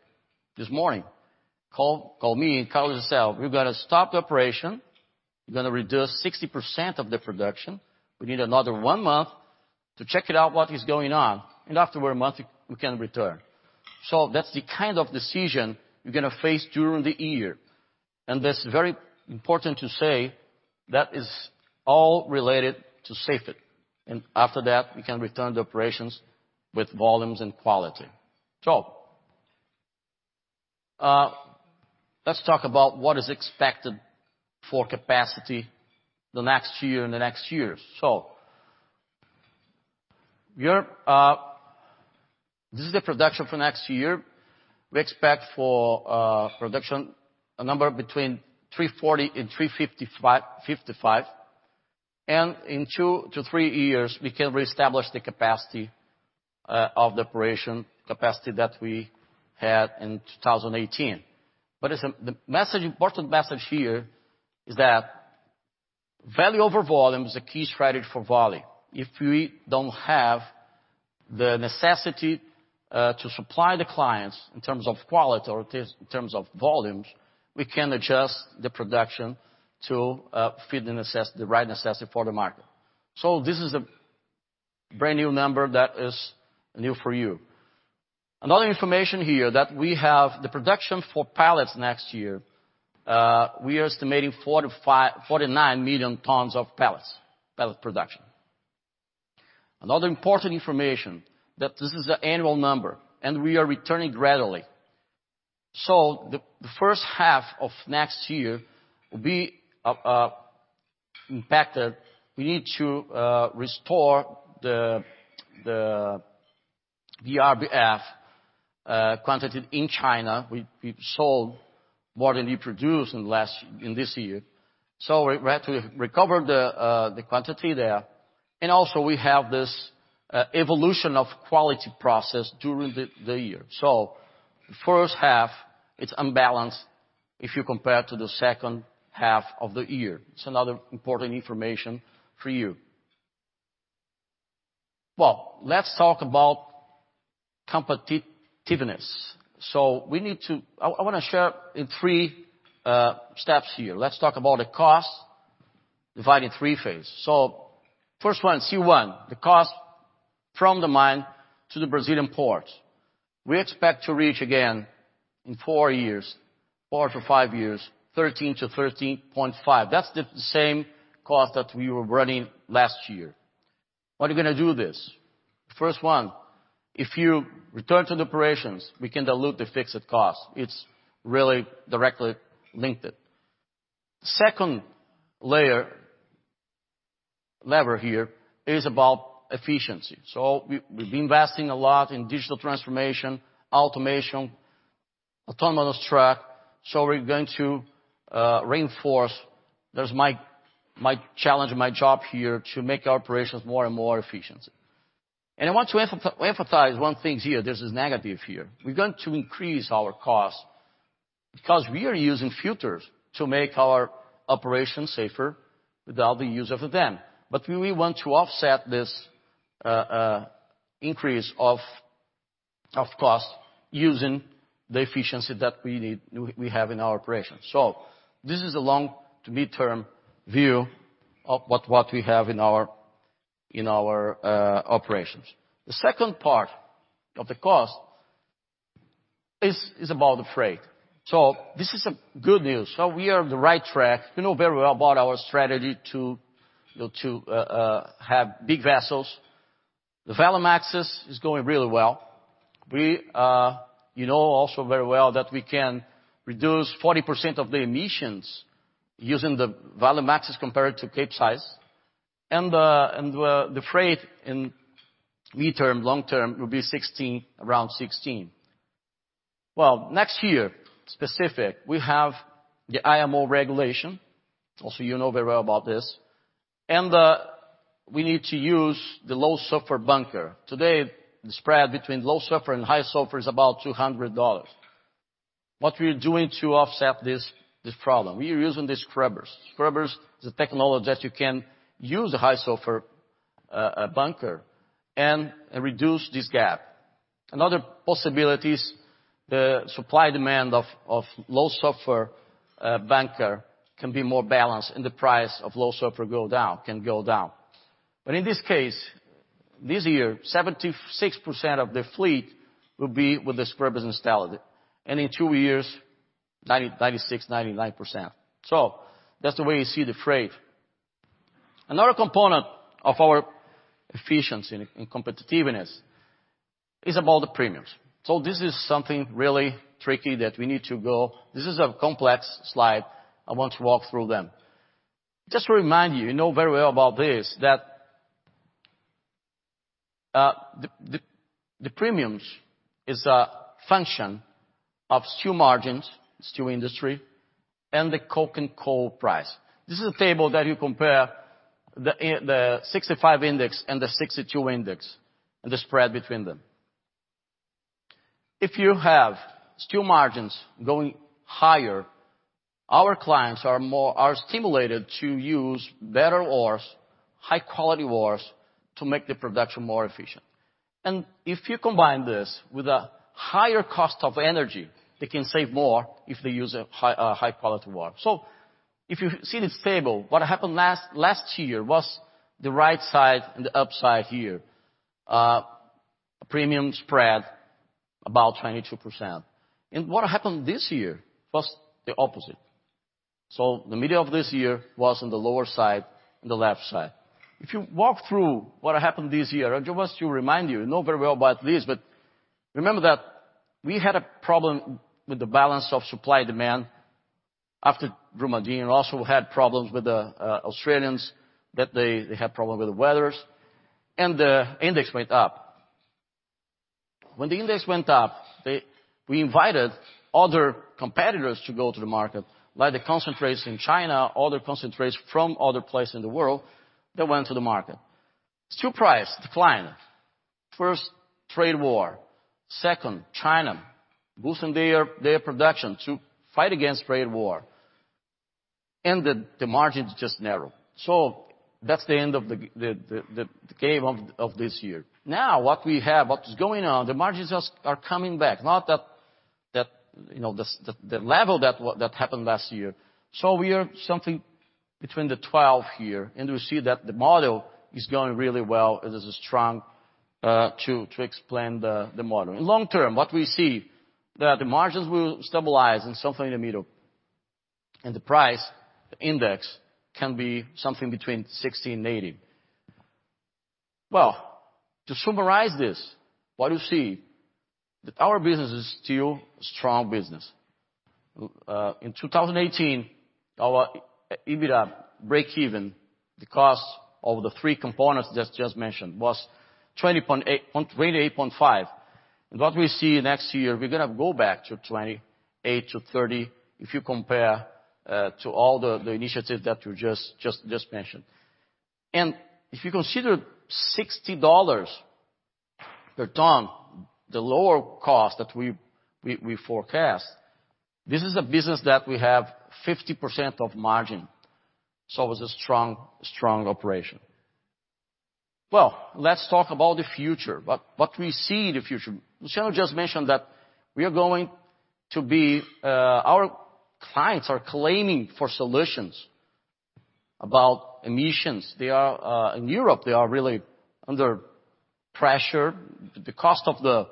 this morning. Called me and Carlos himself. We've got to stop the operation. We're going to reduce 60% of the production. We need another one month to check it out what is going on. After one month, we can return. That's the kind of decision we're going to face during the year. That's very important to say that is all related to safety. After that, we can return to operations with volumes and quality. Let's talk about what is expected for capacity the next year and the next years. This is the production for next year. We expect for production a number between 340 and 355. In 2-3 years, we can reestablish the capacity of the operation capacity that we had in 2018. The important message here is that value over volume is a key strategy for Vale. If we don't have the necessity to supply the clients in terms of quality or in terms of volumes, we can adjust the production to fit the right necessity for the market. This is the brand new number that is new for you. Another information here that we have the production for pellets next year, we are estimating 49 million tons of pellets production. Another important information, that this is an annual number, and we are returning gradually. The first half of next year will be impacted. We need to restore the BRBF quantity in China. We've sold more than we produced in this year. We have to recover the quantity there. Also, we have this evolution of quality process during the year. The first half, it's unbalanced if you compare to the second half of the year. It's another important information for you. Well, let's talk about competitiveness. I want to share in three steps here. Let's talk about the cost divided in three phases. First one, C1, the cost from the mine to the Brazilian ports. We expect to reach again in four or five years, 13-13.5. That's the same cost that we were running last year. What are we going to do with this? First one, if you return to the operations, we can dilute the fixed cost. It's really directly linked. Second lever here is about efficiency. We've been investing a lot in digital transformation, automation, autonomous truck. We're going to reinforce. There's my challenge and my job here to make our operations more and more efficient. I want to emphasize one thing here. This is negative here. We're going to increase our cost because we are using filters to make our operations safer without the use of the dam. We want to offset this increase of course, using the efficiency that we have in our operations. This is a long to midterm view of what we have in our operations. The second part of the cost is about the freight. This is a good news. We are on the right track. You know very well about our strategy to have big vessels. The Valemaxes is going really well. You know also very well that we can reduce 40% of the emissions using the Valemaxes compared to Capesize. The freight in mid-term, long-term will be around 16. Next year, specific, we have the IMO regulation, also you know very well about this. We need to use the low sulfur bunker. Today, the spread between low sulfur and high sulfur is about $200. What we are doing to offset this problem? We are using the scrubbers. Scrubbers is a technology that you can use a high sulfur bunker and reduce this gap. Another possibility is the supply-demand of low sulfur bunker can be more balanced and the price of low sulfur can go down. In this case, this year, 76% of the fleet will be with the scrubbers installed. In two years, 96%-99%. That's the way you see the freight. Another component of our efficiency and competitiveness is about the premiums. This is something really tricky that we need to go. This is a complex slide. I want to walk through them. Just to remind you know very well about this, that the premiums is a function of steel margins, steel industry, and the coking coal price. This is a table that you compare the 65 index and the 62 index and the spread between them. If you have steel margins going higher, our clients are stimulated to use better ores, high quality ores to make the production more efficient. If you combine this with a higher cost of energy, they can save more if they use a high quality ore. If you see this table, what happened last year was the right side and the upside here. A premium spread about 22%. What happened this year was the opposite. The middle of this year was on the lower side and the left side. If you walk through what happened this year, I just want to remind you know very well about this, but remember that we had a problem with the balance of supply demand after Brumadinho, and also had problems with the Australians, that they had problem with the weathers. The index went up. When the index went up, we invited other competitors to go to the market, like the concentrates in China, other concentrates from other places in the world that went to the market. Steel price declined. First, trade war. Second, China boosting their production to fight against trade war. The margins just narrow. That's the end of the cave of this year. Now what we have, what is going on, the margins are coming back. Not the level that happened last year. We are something between the 12 here, and we see that the model is going really well. It is a strong to explain the model. In long-term, what we see, that the margins will stabilize in something in the middle. The price, the index, can be something between 60 and 80. Well, to summarize this, what you see, that our business is still a strong business. In 2018, our EBITDA breakeven, the cost of the three components that's just mentioned was 28.5. What we see next year, we're going to go back to 28-30 if you compare to all the initiatives that we just mentioned. If you consider $60 per ton, the lower cost that we forecast, this is a business that we have 50% of margin. It was a strong operation. Let's talk about the future, about what we see in the future. Luciano just mentioned that our clients are claiming for solutions about emissions. In Europe, they are really under pressure. The cost of the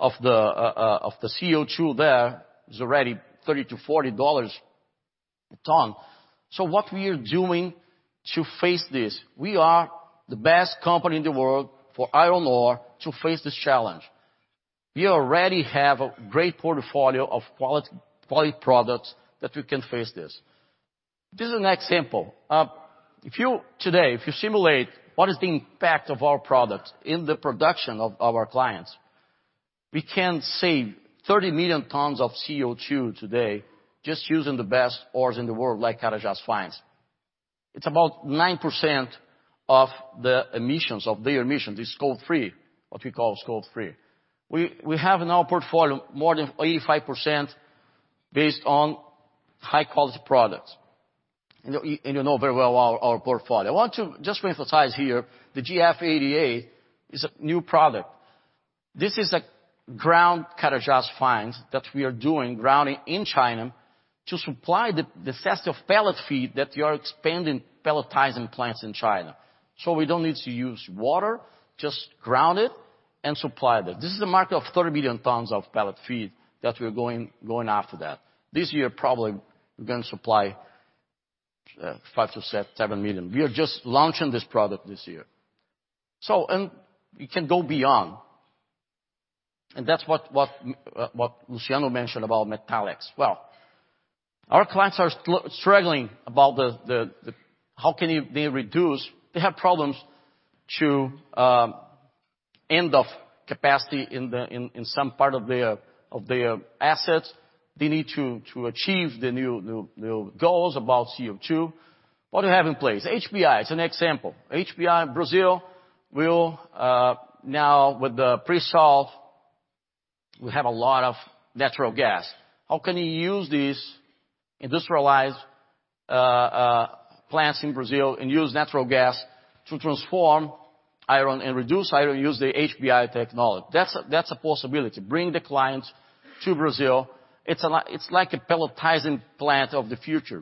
CO2 there is already BRL 30-BRL 40 a ton. What we are doing to face this, we are the best company in the world for iron ore to face this challenge. We already have a great portfolio of quality products that we can face this. This is an example. Today, if you simulate what is the impact of our product in the production of our clients, we can save 30 million tons of CO2 today just using the best ores in the world like Carajás Fines. It's about 9% of their emissions. This Scope 3, what we call Scope 3. We have in our portfolio more than 85% based on high quality products. You know very well our portfolio. I want to just reemphasize here the GF88 is a new product. This is a ground Carajás fines that we are doing grounding in China to supply the festive pellet feed that we are expanding pelletizing plants in China. We don't need to use water, just ground it and supply that. This is a market of 30 million tons of pellet feed that we're going after that. This year, probably we're going to supply 5 million-7 million. We are just launching this product this year. We can go beyond, and that's what Luciano mentioned about metallics. Well, our clients are struggling about how can they reduce. They have problems to end of capacity in some part of their assets. They need to achieve the new goals about CO2. What do they have in place? HBI is an example. HBI Brazil will now with the pre-salt, we have a lot of natural gas. How can you use these industrialized plants in Brazil and use natural gas to transform iron and reduce iron, use the HBI technology? That's a possibility. Bring the clients to Brazil. It's like a pelletizing plant of the future.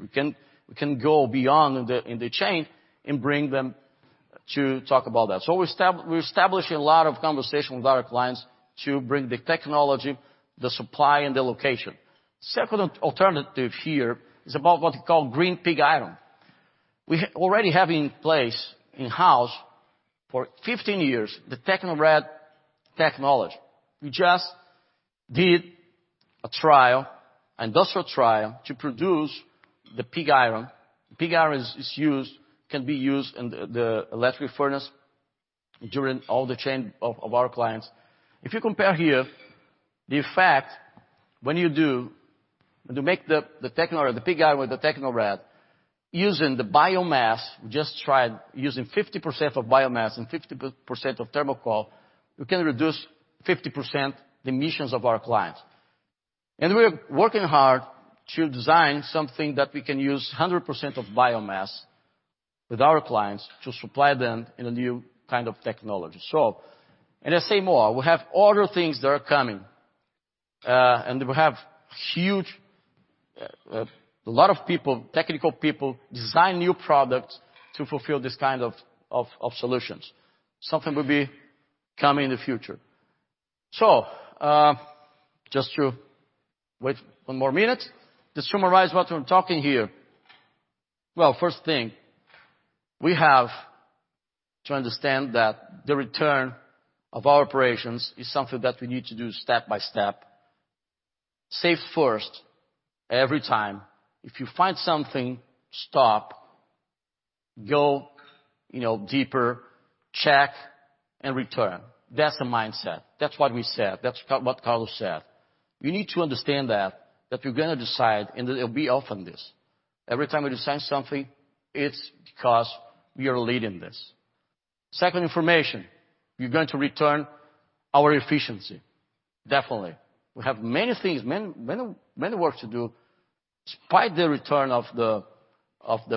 We can go beyond in the chain and bring them to talk about that. We're establishing a lot of conversation with our clients to bring the technology, the supply, and the location. Second alternative here is about what you call green pig iron. We already have in place, in-house for 15 years, the Tecnored technology. We just did an industrial trial to produce the pig iron. Pig iron can be used in the electric furnace during all the chain of our clients. If you compare here, the effect when you make the pig iron with the Tecnored using the biomass, we just tried using 50% of biomass and 50% of thermal coal, we can reduce 50% the emissions of our clients. We're working hard to design something that we can use 100% of biomass with our clients to supply them in a new kind of technology. And I say more, we have other things that are coming, and we have a lot of people, technical people design new products to fulfill this kind of solutions. Something will be coming in the future. Just to wait one more minute. To summarize what we're talking here. Well, first thing, we have to understand that the return of our operations is something that we need to do step by step. Save first, every time. If you find something, stop, go deeper, check, and return. That's the mindset. That's what we said. That's what Carlos said. We need to understand that we're going to decide, and it'll be often this. Every time we design something, it's because we are leading this. Second information, we're going to return our efficiency, definitely. We have many things, many work to do despite the return of the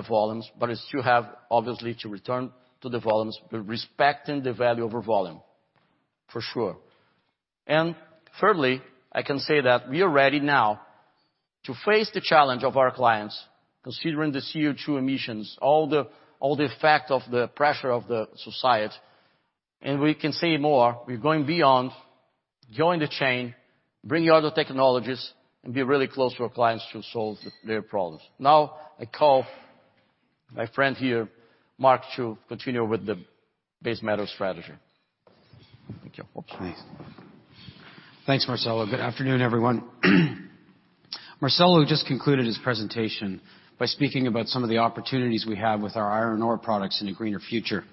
volumes, but you have obviously to return to the volumes respecting the value over volume, for sure. Thirdly, I can say that we are ready now to face the challenge of our clients considering the CO2 emissions, all the effect of the pressure of the society. We can say more. We're going beyond, join the chain, bring other technologies, and be really close to our clients to solve their problems. Now, I call my friend here, Mark, to continue with the base metal strategy. Thank you. Please. Thanks, Marcelo. Good afternoon, everyone. Marcelo just concluded his presentation by speaking about some of the opportunities we have with our iron ore products in a greener future.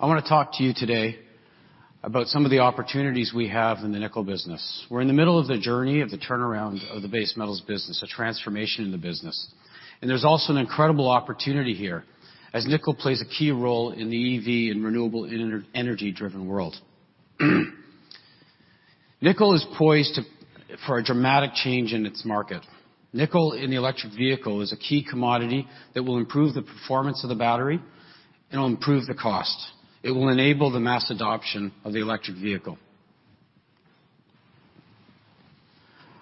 I want to talk to you today about some of the opportunities we have in the nickel business. We're in the middle of the journey of the turnaround of the base metals business, a transformation in the business. There's also an incredible opportunity here as nickel plays a key role in the EV and renewable energy-driven world. Nickel is poised for a dramatic change in its market. Nickel in the electric vehicle is a key commodity that will improve the performance of the battery. It'll improve the cost. It will enable the mass adoption of the electric vehicle.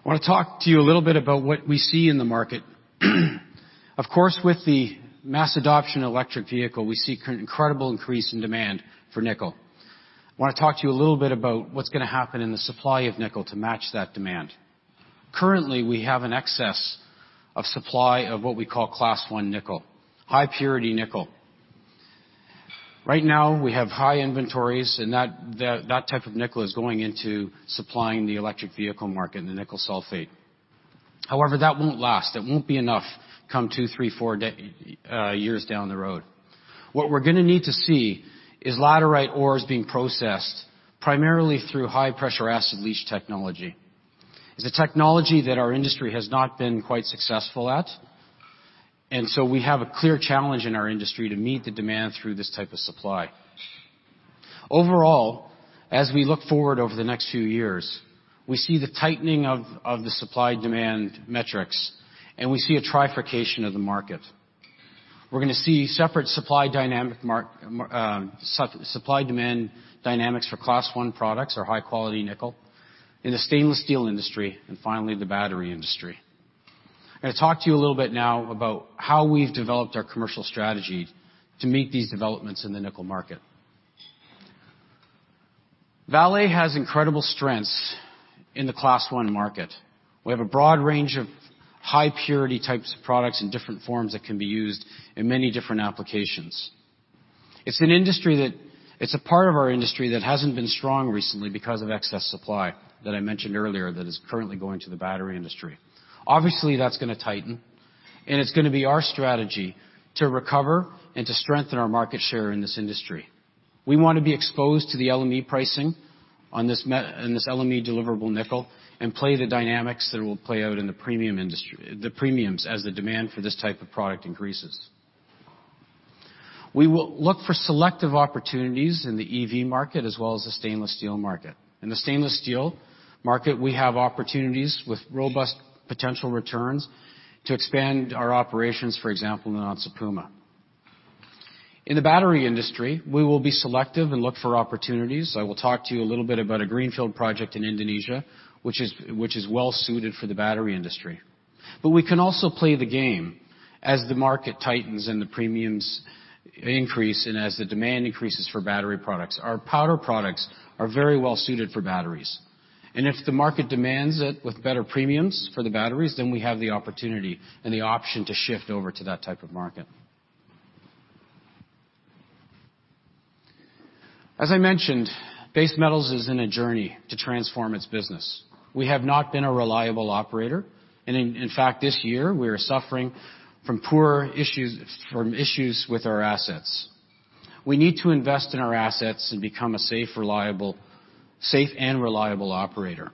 I want to talk to you a little bit about what we see in the market. Of course, with the mass adoption electric vehicle, we see incredible increase in demand for nickel. I want to talk to you a little bit about what's going to happen in the supply of nickel to match that demand. Currently, we have an excess of supply of what we call Class 1 nickel, high purity nickel. Right now, we have high inventories, and that type of nickel is going into supplying the electric vehicle market and the nickel sulfate. However, that won't last. It won't be enough come two, three, four years down the road. What we're going to need to see is laterite ores being processed primarily through high-pressure acid leach technology. It's a technology that our industry has not been quite successful at and so we have a clear challenge in our industry to meet the demand through this type of supply. Overall, as we look forward over the next few years, we see the tightening of the supply-demand metrics, and we see a trifurcation of the market. We're going to see separate supply-demand dynamics for Class 1 products or high-quality nickel in the stainless steel industry, and finally, the battery industry. I'm going to talk to you a little bit now about how we've developed our commercial strategy to meet these developments in the nickel market. Vale has incredible strengths in the Class 1 market. We have a broad range of high-purity types of products in different forms that can be used in many different applications. It's a part of our industry that hasn't been strong recently because of excess supply that I mentioned earlier that is currently going to the battery industry. Obviously, that's going to tighten, and it's going to be our strategy to recover and to strengthen our market share in this industry. We want to be exposed to the LME pricing on this LME-deliverable nickel and play the dynamics that will play out in the premiums as the demand for this type of product increases. We will look for selective opportunities in the EV market as well as the stainless steel market. In the stainless steel market, we have opportunities with robust potential returns to expand our operations, for example, in Onça Puma. In the battery industry, we will be selective and look for opportunities. I will talk to you a little bit about a greenfield project in Indonesia, which is well suited for the battery industry. We can also play the game as the market tightens and the premiums increase, and as the demand increases for battery products. Our powder products are very well suited for batteries. If the market demands it with better premiums for the batteries, we have the opportunity and the option to shift over to that type of market. As I mentioned, base metals is in a journey to transform its business. We have not been a reliable operator, and in fact, this year, we are suffering from issues with our assets. We need to invest in our assets and become a safe and reliable operator.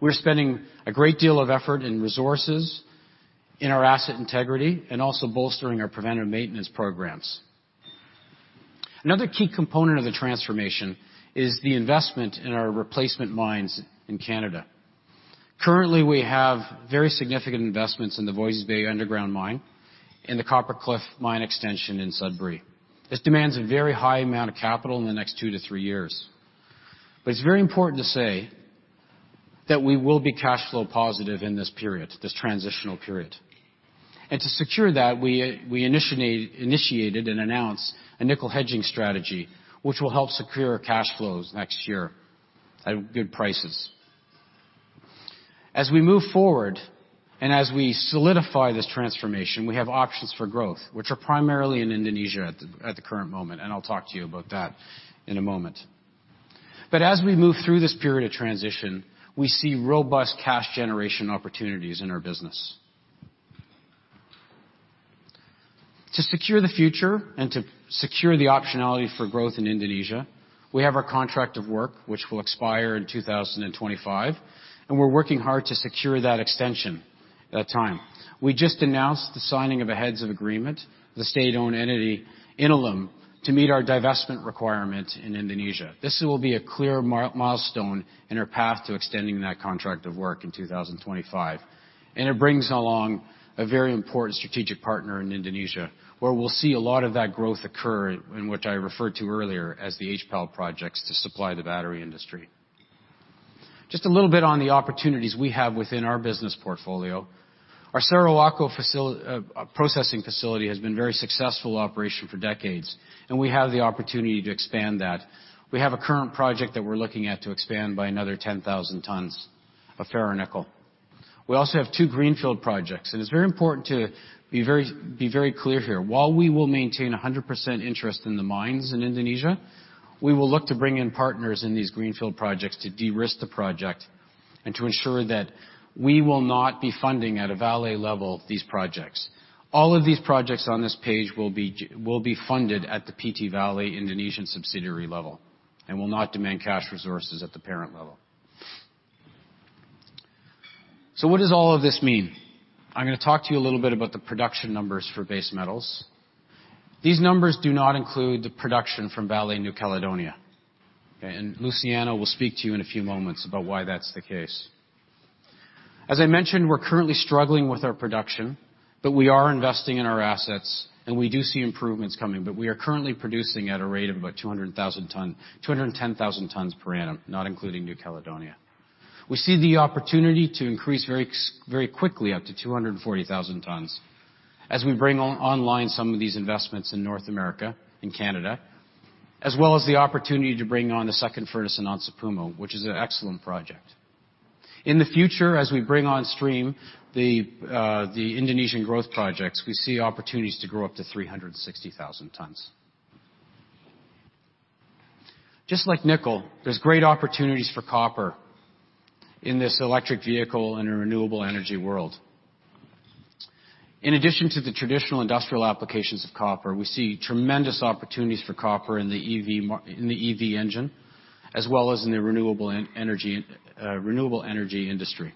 We're spending a great deal of effort and resources in our asset integrity and also bolstering our preventative maintenance programs. Another key component of the transformation is the investment in our replacement mines in Canada. Currently, we have very significant investments in the Voisey's Bay underground mine and the Copper Cliff mine extension in Sudbury. This demands a very high amount of capital in the next two to three years. It's very important to say that we will be cash flow positive in this transitional period. To secure that, we initiated and announced a nickel hedging strategy, which will help secure our cash flows next year at good prices. As we move forward and as we solidify this transformation, we have options for growth, which are primarily in Indonesia at the current moment, and I'll talk to you about that in a moment. As we move through this period of transition, we see robust cash generation opportunities in our business. To secure the future and to secure the optionality for growth in Indonesia, we have our contract of work, which will expire in 2025, and we're working hard to secure that extension at a time. We just announced the signing of a heads of agreement with a state-owned entity, Inalum, to meet our divestment requirements in Indonesia. This will be a clear milestone in our path to extending that contract of work in 2025. It brings along a very important strategic partner in Indonesia, where we'll see a lot of that growth occur, and which I referred to earlier as the HPAL projects to supply the battery industry. Just a little bit on the opportunities we have within our business portfolio. Our Sorowako processing facility has been a very successful operation for decades, and we have the opportunity to expand that. We have a current project that we're looking at to expand by another 10,000 tons of ferronickel. We also have two greenfield projects, and it's very important to be very clear here. While we will maintain 100% interest in the mines in Indonesia, we will look to bring in partners in these greenfield projects to de-risk the project and to ensure that we will not be funding at a Vale level these projects. All of these projects on this page will be funded at the PT Vale Indonesian subsidiary level and will not demand cash resources at the parent level. What does all of this mean? I'm going to talk to you a little bit about the production numbers for base metals. These numbers do not include the production from Vale New Caledonia, okay? Luciano will speak to you in a few moments about why that's the case. As I mentioned, we're currently struggling with our production, but we are investing in our assets, and we do see improvements coming. We are currently producing at a rate of about 210,000 tons per annum, not including New Caledonia. We see the opportunity to increase very quickly up to 240,000 tons as we bring online some of these investments in North America, in Canada, as well as the opportunity to bring on the second furnace in Onça Puma, which is an excellent project. In the future, as we bring on stream the Indonesian growth projects, we see opportunities to grow up to 360,000 tons. Just like nickel, there's great opportunities for copper in this electric vehicle and a renewable energy world. In addition to the traditional industrial applications of copper, we see tremendous opportunities for copper in the EV engine, as well as in the renewable energy industry.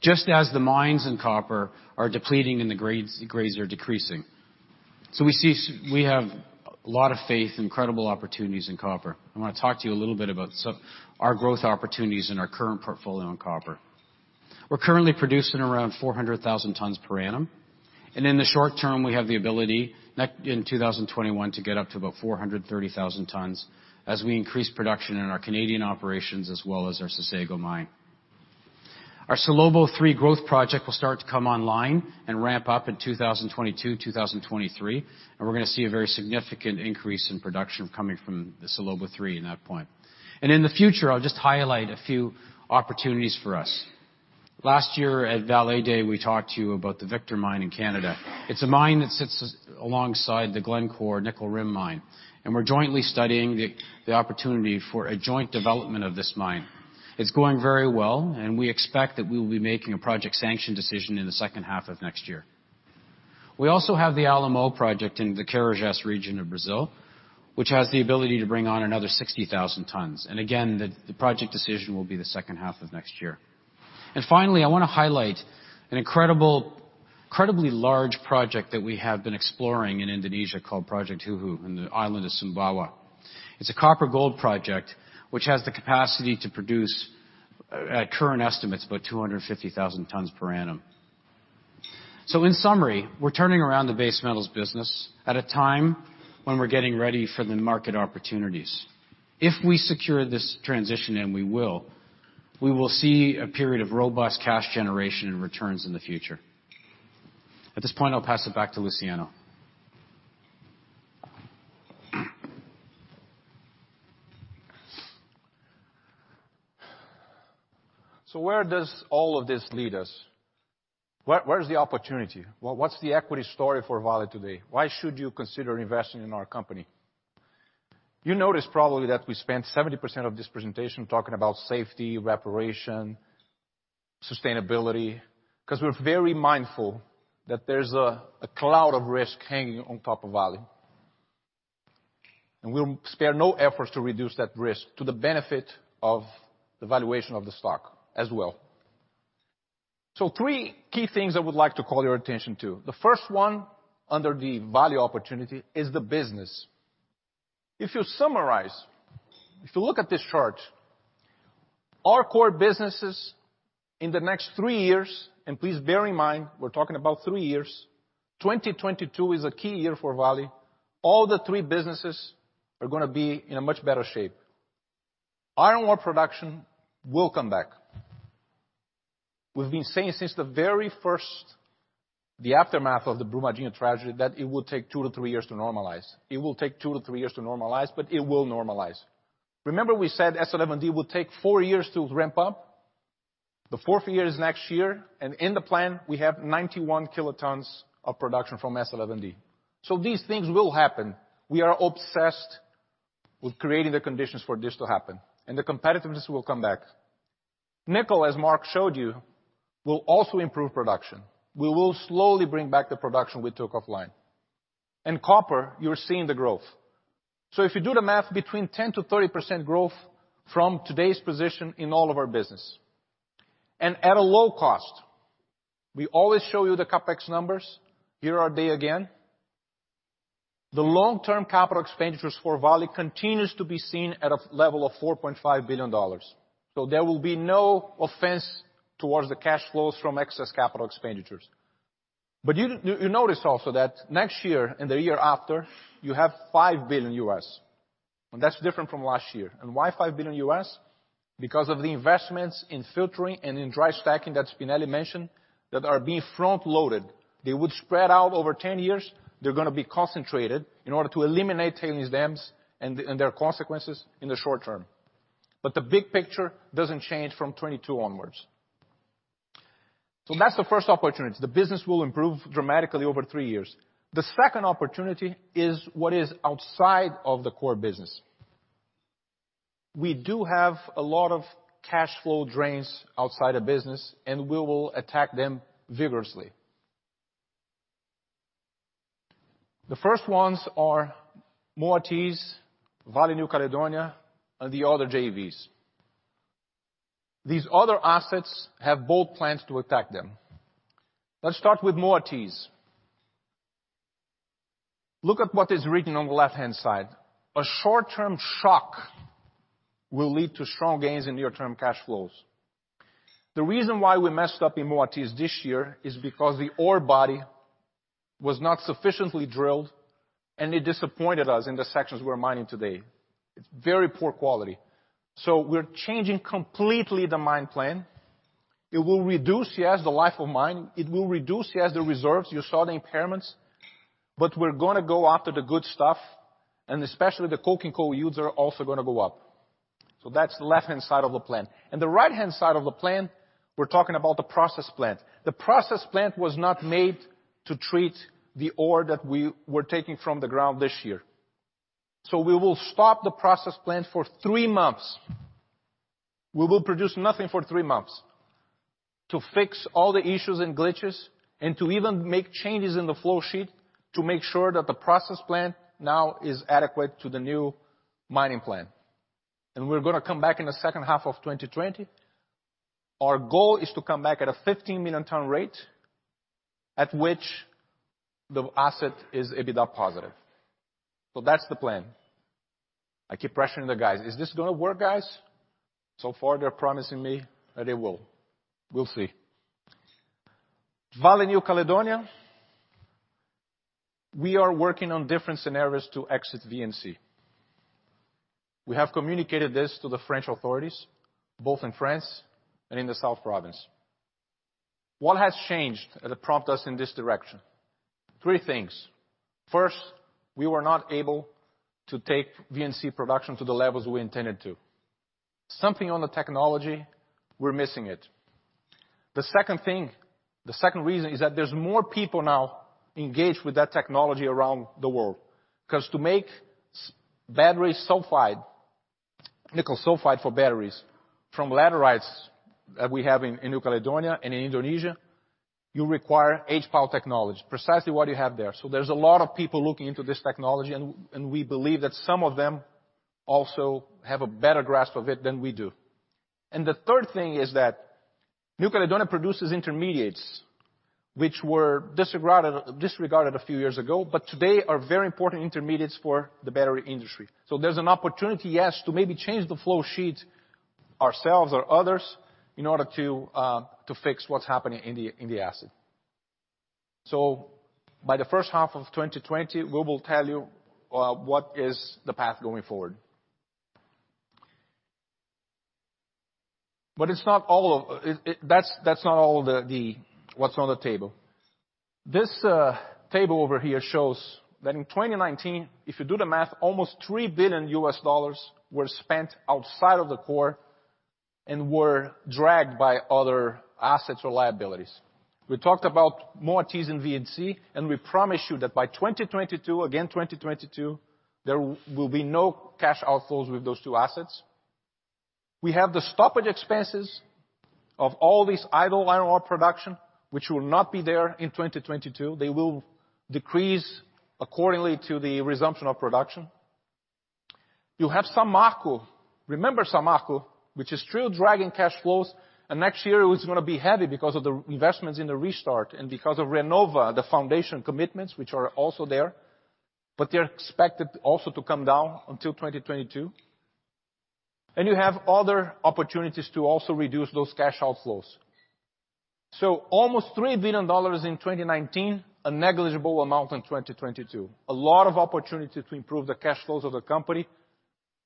Just as the mines in copper are depleting and the grades are decreasing. We have a lot of faith, incredible opportunities in copper. I want to talk to you a little bit about our growth opportunities in our current portfolio in copper. We're currently producing around 400,000 tons per annum, and in the short term, we have the ability, in 2021, to get up to about 430,000 tons as we increase production in our Canadian operations as well as our Sossego mine. Our Salobo III growth project will start to come online and ramp up in 2022, 2023. We're going to see a very significant increase in production coming from the Salobo III in that point. In the future, I'll just highlight a few opportunities for us. Last year at Vale Day, we talked to you about the Victor mine in Canada. It's a mine that sits alongside the Glencore Nickel Rim Mine, and we're jointly studying the opportunity for a joint development of this mine. It's going very well. We expect that we will be making a project sanction decision in the second half of next year. We also have the Alemão project in the Carajás region of Brazil, which has the ability to bring on another 60,000 tons. Again, the project decision will be the second half of next year. Finally, I want to highlight an incredibly large project that we have been exploring in Indonesia called Project Hu'u in the island of Sumbawa. It's a copper gold project, which has the capacity to produce, at current estimates, about 250,000 tons per annum. In summary, we're turning around the base metals business at a time when we're getting ready for the market opportunities. If we secure this transition, and we will, we will see a period of robust cash generation and returns in the future. At this point, I'll pass it back to Luciano. Where does all of this lead us? Where is the opportunity? What's the equity story for Vale today? Why should you consider investing in our company? You notice probably that we spent 70% of this presentation talking about safety, reparation, sustainability, because we're very mindful that there's a cloud of risk hanging on top of Vale. We'll spare no efforts to reduce that risk to the benefit of the valuation of the stock as well. Three key things I would like to call your attention to. The first one under the Vale opportunity is the business. If you summarize, if you look at this chart, our core businesses in the next three years, and please bear in mind, we're talking about three years, 2022 is a key year for Vale, all the three businesses are going to be in a much better shape. Iron ore production will come back. We've been saying since the very first, the aftermath of the Brumadinho tragedy, that it would take two to three years to normalize. It will take two to three years to normalize, but it will normalize. Remember we said S11D will take four years to ramp up? The fourth year is next year, in the plan, we have 91 kilotons of production from S11D. These things will happen. We are obsessed with creating the conditions for this to happen, and the competitiveness will come back. Nickel, as Mark showed you, will also improve production. We will slowly bring back the production we took offline. Copper, you're seeing the growth. If you do the math, between 10%-30% growth from today's position in all of our business. At a low cost. We always show you the CapEx numbers. Here are they again. The long-term CapEx for Vale continues to be seen at a level of BRL 4.5 billion. There will be no offense towards the cash flows from excess CapEx. You notice also that next year and the year after, you have $5 billion. That's different from last year. Why $5 billion? Because of the investments in filtering and in dry stacking that Spinelli mentioned that are being front-loaded. They would spread out over 10 years. They're going to be concentrated in order to eliminate tailings dams and their consequences in the short term. The big picture doesn't change from 2022 onwards. That's the first opportunity. The business will improve dramatically over three years. The second opportunity is what is outside of the core business. We do have a lot of cash flow drains outside of business, and we will attack them vigorously. The first ones are Moatize, Vale New Caledonia, and the other JVs. These other assets have bold plans to attack them. Let's start with Moatize. Look at what is written on the left-hand side. A short-term shock will lead to strong gains in near-term cash flows. The reason why we messed up in Moatize this year is because the ore body was not sufficiently drilled, and it disappointed us in the sections we're mining today. It's very poor quality. We're changing completely the mine plan. It will reduce, yes, the life of mine. It will reduce, yes, the reserves. You saw the impairments. We're going to go after the good stuff, and especially the coking coal yields are also going to go up. That's the left-hand side of the plan. The right-hand side of the plan, we're talking about the process plant. The process plant was not made to treat the ore that we were taking from the ground this year. We will stop the process plant for three months. We will produce nothing for three months to fix all the issues and glitches and to even make changes in the flow sheet to make sure that the process plant now is adequate to the new mining plan. We're going to come back in the second half of 2020. Our goal is to come back at a 15 million ton rate, at which the asset is EBITDA positive. That's the plan. I keep pressuring the guys, "Is this going to work, guys?" Far, they're promising me that it will. We'll see. Vale New Caledonia. We are working on different scenarios to exit VNC. We have communicated this to the French authorities, both in France and in the South Province. What has changed that prompt us in this direction? Three things. First, we were not able to take VNC production to the levels we intended to. Something on the technology, we're missing it. The second reason is that there's more people now engaged with that technology around the world. To make nickel sulfide for batteries from laterites that we have in New Caledonia and in Indonesia, you require HPAL technology, precisely what you have there. There's a lot of people looking into this technology, and we believe that some of them also have a better grasp of it than we do. The third thing is that New Caledonia produces intermediates, which were disregarded a few years ago, but today are very important intermediates for the battery industry. There's an opportunity, yes, to maybe change the flow sheet ourselves or others in order to fix what's happening in the asset. By the first half of 2020, we will tell you what is the path going forward. That's not all what's on the table. This table over here shows that in 2019, if you do the math, almost $3 billion were spent outside of the core and were dragged by other assets or liabilities. We talked about Moatize in VNC, and we promise you that by 2022, again, 2022, there will be no cash outflows with those two assets. We have the stoppage expenses of all this idle iron ore production, which will not be there in 2022. They will decrease according to the resumption of production. You have Samarco. Remember Samarco, which is still dragging cash flows, and next year it was going to be heavy because of the investments in the restart and because of Renova, the foundation commitments, which are also there, but they're expected also to come down until 2022. You have other opportunities to also reduce those cash outflows. Almost $3 billion in 2019, a negligible amount in 2022. A lot of opportunity to improve the cash flows of the company,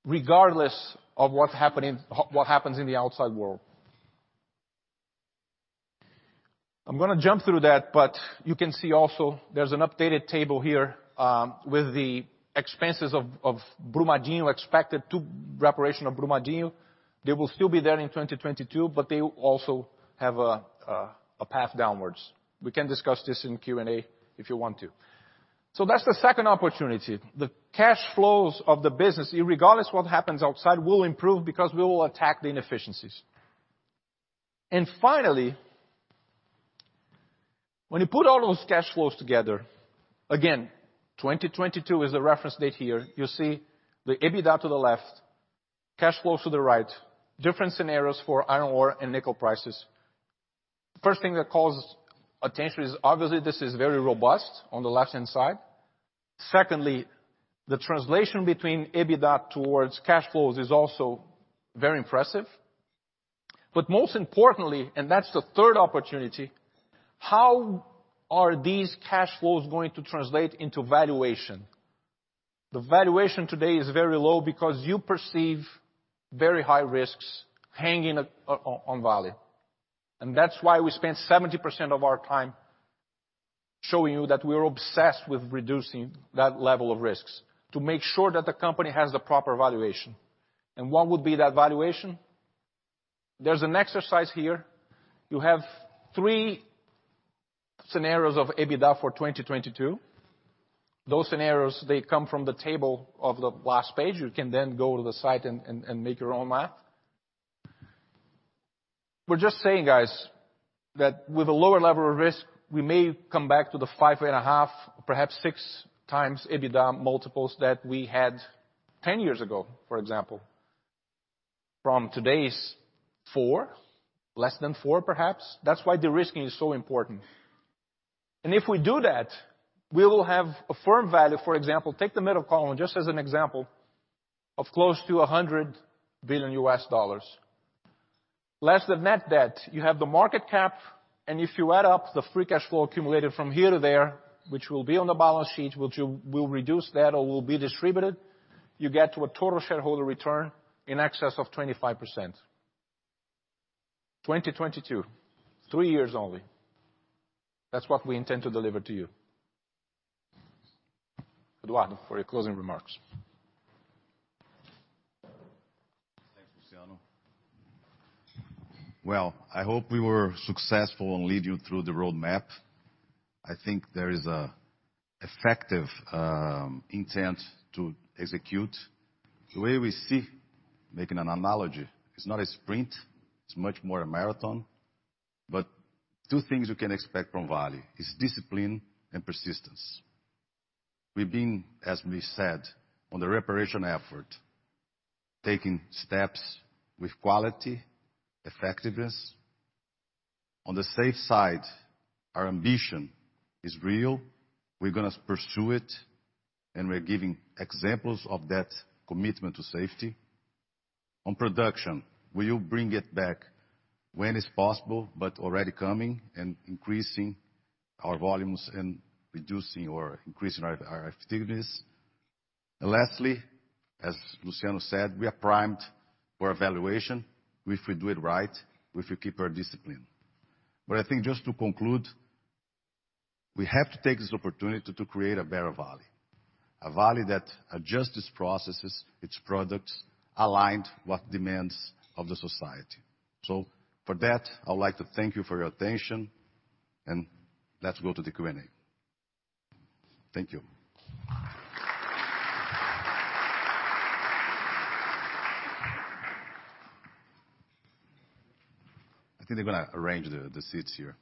regardless of what happens in the outside world. I'm going to jump through that, you can see also there's an updated table here, with the expenses of Brumadinho expected to reparation of Brumadinho. They will still be there in 2022, they also have a path downwards. We can discuss this in Q&A if you want to. That's the second opportunity. The cash flows of the business, regardless what happens outside, will improve because we will attack the inefficiencies. Finally, when you put all those cash flows together, again, 2022 is the reference date here. You see the EBITDA to the left, cash flows to the right, different scenarios for iron ore and nickel prices. First thing that calls attention is obviously this is very robust on the left-hand side. Secondly, the translation between EBITDA towards cash flows is also very impressive. Most importantly, and that's the third opportunity, how are these cash flows going to translate into valuation? The valuation today is very low because you perceive very high risks hanging on Vale. That's why we spent 70% of our time showing you that we are obsessed with reducing that level of risks to make sure that the company has the proper valuation. What would be that valuation? There's an exercise here. You have three scenarios of EBITDA for 2022. Those scenarios, they come from the table of the last page. You can then go to the site and make your own math. We're just saying, guys, that with a lower level of risk, we may come back to the 5.5, perhaps 6 times EBITDA multiples that we had 10 years ago, for example. From today's four, less than four perhaps, that's why de-risking is so important. If we do that, we will have a firm value. For example, take the middle column just as an example of close to $100 billion less the net debt. You have the market cap, and if you add up the free cash flow accumulated from here to there, which will be on the balance sheet, which will reduce that or will be distributed, you get to a total shareholder return in excess of 25%. 2022, three years only. That's what we intend to deliver to you. Eduardo, for your closing remarks. Thanks, Luciano. Well, I hope we were successful in lead you through the road map. I think there is effective intent to execute. The way we see, making an analogy, it's not a sprint, it's much more a marathon. Two things you can expect from Vale is discipline and persistence. We've been, as we said, on the reparation effort, taking steps with quality, effectiveness. On the safe side, our ambition is real. We're going to pursue it, and we're giving examples of that commitment to safety. On production, we will bring it back when it's possible, but already coming and increasing our volumes and reducing or increasing our effectiveness. Lastly, as Luciano said, we are primed for a valuation if we do it right, if we keep our discipline. I think just to conclude, we have to take this opportunity to create a better Vale. Vale that adjusts its processes, its products, aligned what demands of the society. For that, I would like to thank you for your attention, and let's go to the Q&A. Thank you. I think they're gonna arrange the seats here.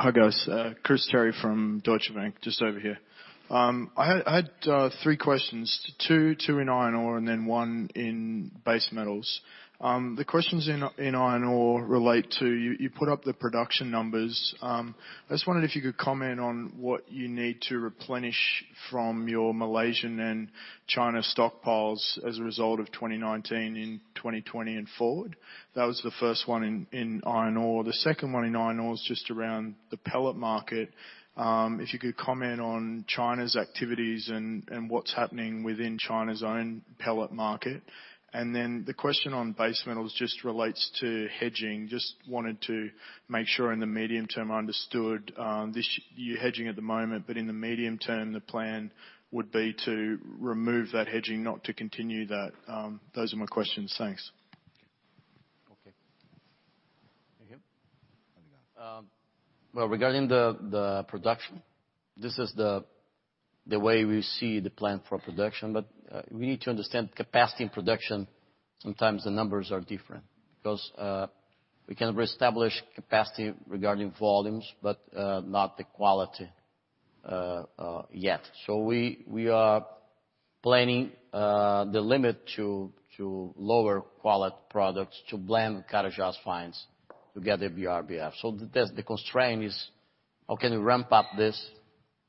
Oh, oops. Thank you. Thank you. Yeah, you go. Hi, guys. Chris Terry from Deutsche Bank, just over here. I had three questions. Two in iron ore and then one in base metals. The questions in iron ore relate to, you put up the production numbers. I just wondered if you could comment on what you need to replenish from your Malaysian and China stockpiles as a result of 2019, in 2020 and forward. That was the first one in iron ore. The second one in iron ore is just around the pellet market. If you could comment on China's activities and what's happening within China's own pellet market. The question on base metals just relates to hedging. Just wanted to make sure in the medium term, I understood. You're hedging at the moment, but in the medium term, the plan would be to remove that hedging, not to continue that. Those are my questions. Thanks. Okay. Thank you. Well, regarding the production, this is the way we see the plan for production. We need to understand capacity and production, sometimes the numbers are different, because we can reestablish capacity regarding volumes, but not the quality yet. We are planning the limit to lower quality products to blend Carajás Fines to get the BRBF. The constraint is how can we ramp up this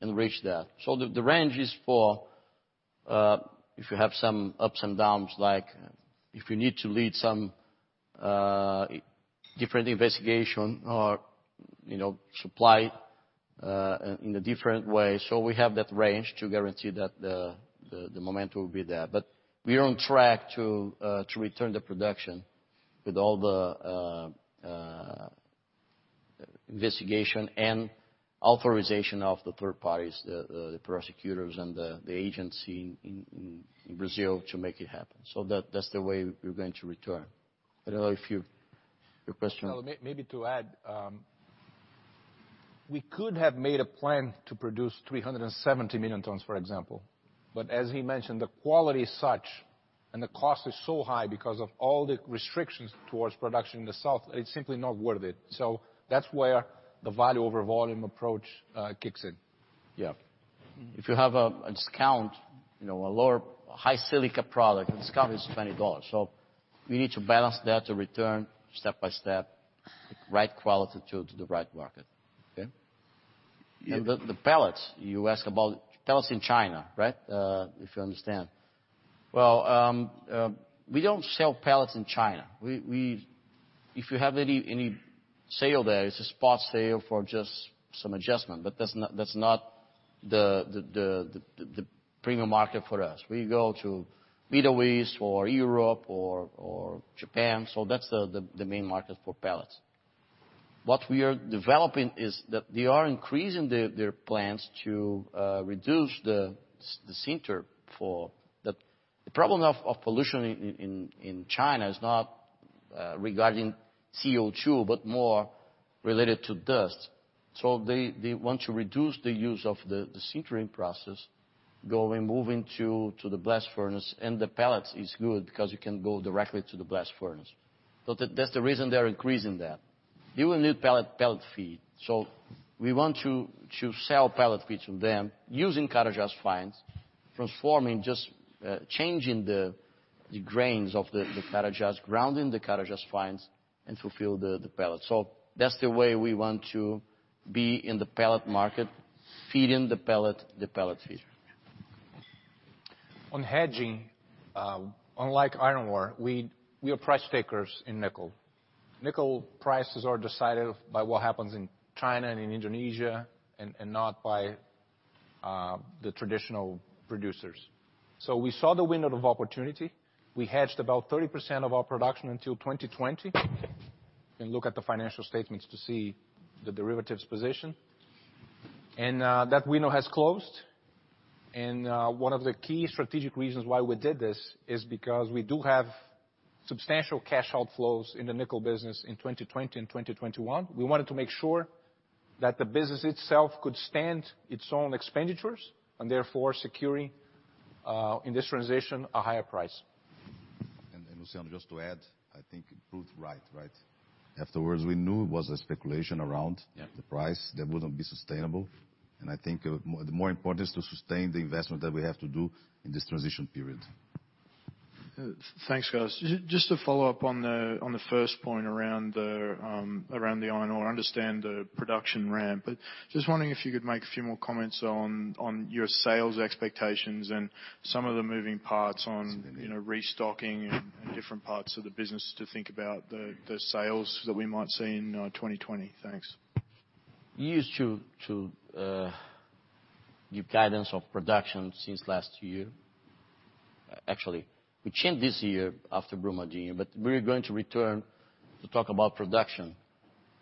and reach that? The range is for if you have some ups and downs, like if we need to lead some different investigation or supply in a different way. We have that range to guarantee that the momentum will be there. We are on track to return the production with all the investigation and authorization of the third parties, the prosecutors and the agency in Brazil to make it happen. That's the way we're going to return. Your question? Maybe to add. We could have made a plan to produce 370 million tons, for example. As he mentioned, the quality is such and the cost is so high because of all the restrictions towards production in the south, it's simply not worth it. That's where the value over volume approach kicks in. Yeah. If you have a discount, a lower, high silica product, the discount is $20. We need to balance that to return step by step, right quality to the right market. Okay? The pellets you ask about, pellets in China, right? If you understand. Well, we don't sell pellets in China. If you have any sale there, it's a spot sale for just some adjustment, but that's not the premium market for us. We go to Middle East or Europe or Japan. That's the main market for pellets. What we are developing is that they are increasing their plans to reduce the sinter. The problem of pollution in China is not regarding CO2, but more related to dust. They want to reduce the use of the sintering process, moving to the blast furnace, and the pellets is good because you can go directly to the blast furnace. That's the reason they're increasing that. You will need pellet feed. We want to sell pellet feed to them using Carajás Fines, transforming, just changing the grains of the Carajás, grounding the Carajás Fines, and fulfill the pellets. That's the way we want to be in the pellet market, feeding the pellet feed. On hedging, unlike iron ore, we are price takers in nickel. Nickel prices are decided by what happens in China and in Indonesia, and not by the traditional producers. We saw the window of opportunity. We hedged about 30% of our production until 2020. You can look at the financial statements to see the derivatives position. That window has closed. One of the key strategic reasons why we did this is because we do have substantial cash outflows in the nickel business in 2020 and 2021. We wanted to make sure that the business itself could stand its own expenditures, and therefore securing, in this transition, a higher price. Luciano, just to add, I think both right. Afterwards, we knew there was a speculation. Yeah The price that wouldn't be sustainable. I think more important is to sustain the investment that we have to do in this transition period. Thanks, guys. Just to follow up on the first point around the iron ore. I understand the production ramp, but just wondering if you could make a few more comments on your sales expectations and some of the moving parts on restocking and different parts of the business to think about the sales that we might see in 2020. Thanks. We used to give guidance of production since last year. Actually, we changed this year after Brumadinho. We are going to return to talk about production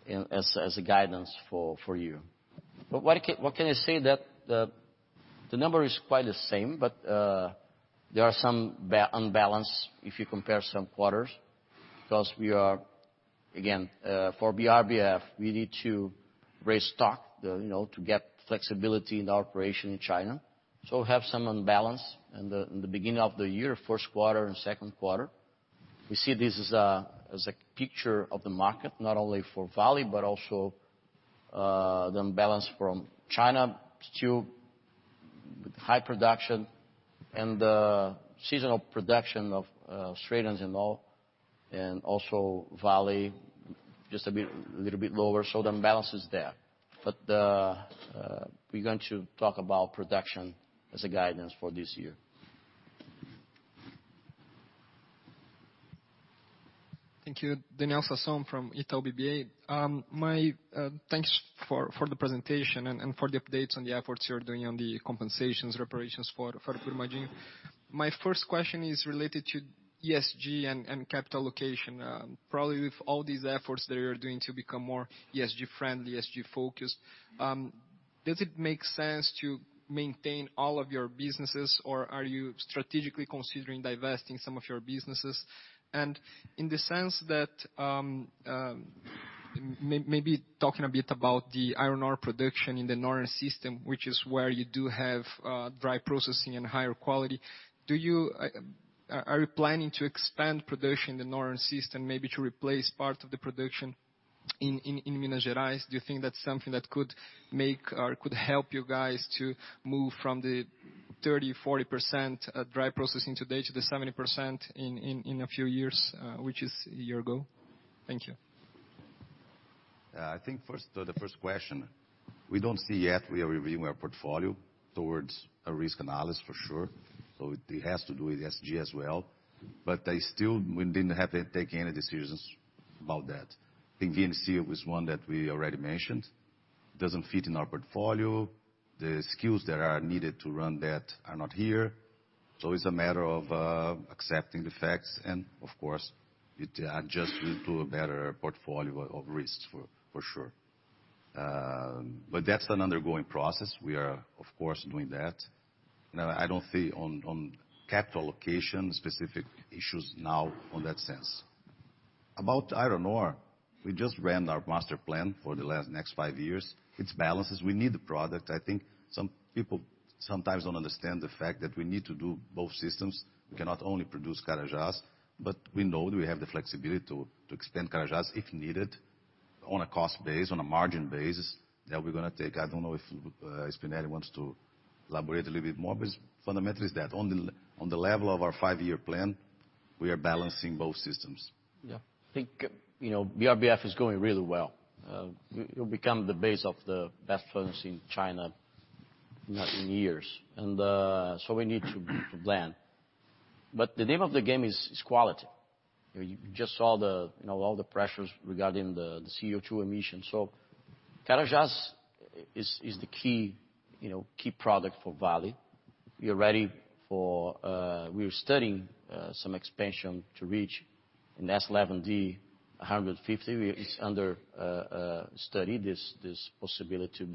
as a guidance for you. What can I say that the number is quite the same, but there are some unbalanced if you compare some quarters. We are, again for BRBF, we need to restock to get flexibility in the operation in China. We have some imbalance in the beginning of the year, first quarter and second quarter. We see this as a picture of the market, not only for Vale, but also the imbalance from China still with high production and the seasonal production of Australians and all. Also Vale just a little bit lower. The imbalance is there. We're going to talk about production as a guidance for this year. Thank you. Daniel Sasson from Itaú BBA. Thanks for the presentation and for the updates on the efforts you're doing on the compensations, reparations for Brumadinho. My first question is related to ESG and capital allocation. Probably with all these efforts that you're doing to become more ESG friendly, ESG focused, does it make sense to maintain all of your businesses or are you strategically considering divesting some of your businesses? In the sense that maybe talking a bit about the iron ore production in the northern system, which is where you do have dry processing and higher quality, are you planning to expand production in the northern system, maybe to replace part of the production in Minas Gerais? Do you think that's something that could make or could help you guys to move from the 30, 40% dry processing today to the 70% in a few years, which is your goal? Thank you. I think the first question. We don't see yet. We are reviewing our portfolio towards a risk analysis for sure. It has to do with ESG as well. Still, we didn't have to take any decisions about that. I think VNC was one that we already mentioned. It doesn't fit in our portfolio. The skills that are needed to run that are not here. It's a matter of accepting the facts and of course, it adjusts into a better portfolio of risks for sure. That's an ongoing process. We are, of course, doing that. Now I don't see on capital allocation specific issues now on that sense. About iron ore, we just ran our master plan for the next five years. It balances. We need the product. I think some people sometimes don't understand the fact that we need to do both systems. We cannot only produce Carajás, but we know that we have the flexibility to expand Carajás if needed on a cost base, on a margin basis that we're going to take. I don't know if Spinelli wants to elaborate a little bit more, but fundamentally is that. On the level of our five-year plan, we are balancing both systems. Yeah. I think BRBF is going really well. It will become the base of the best furnace in China in years. We need to plan. The name of the game is quality. You just saw all the pressures regarding the CO2 emissions. Carajás is the key product for Vale. We are studying some expansion to reach an S11D 150. It's under study, this possibility.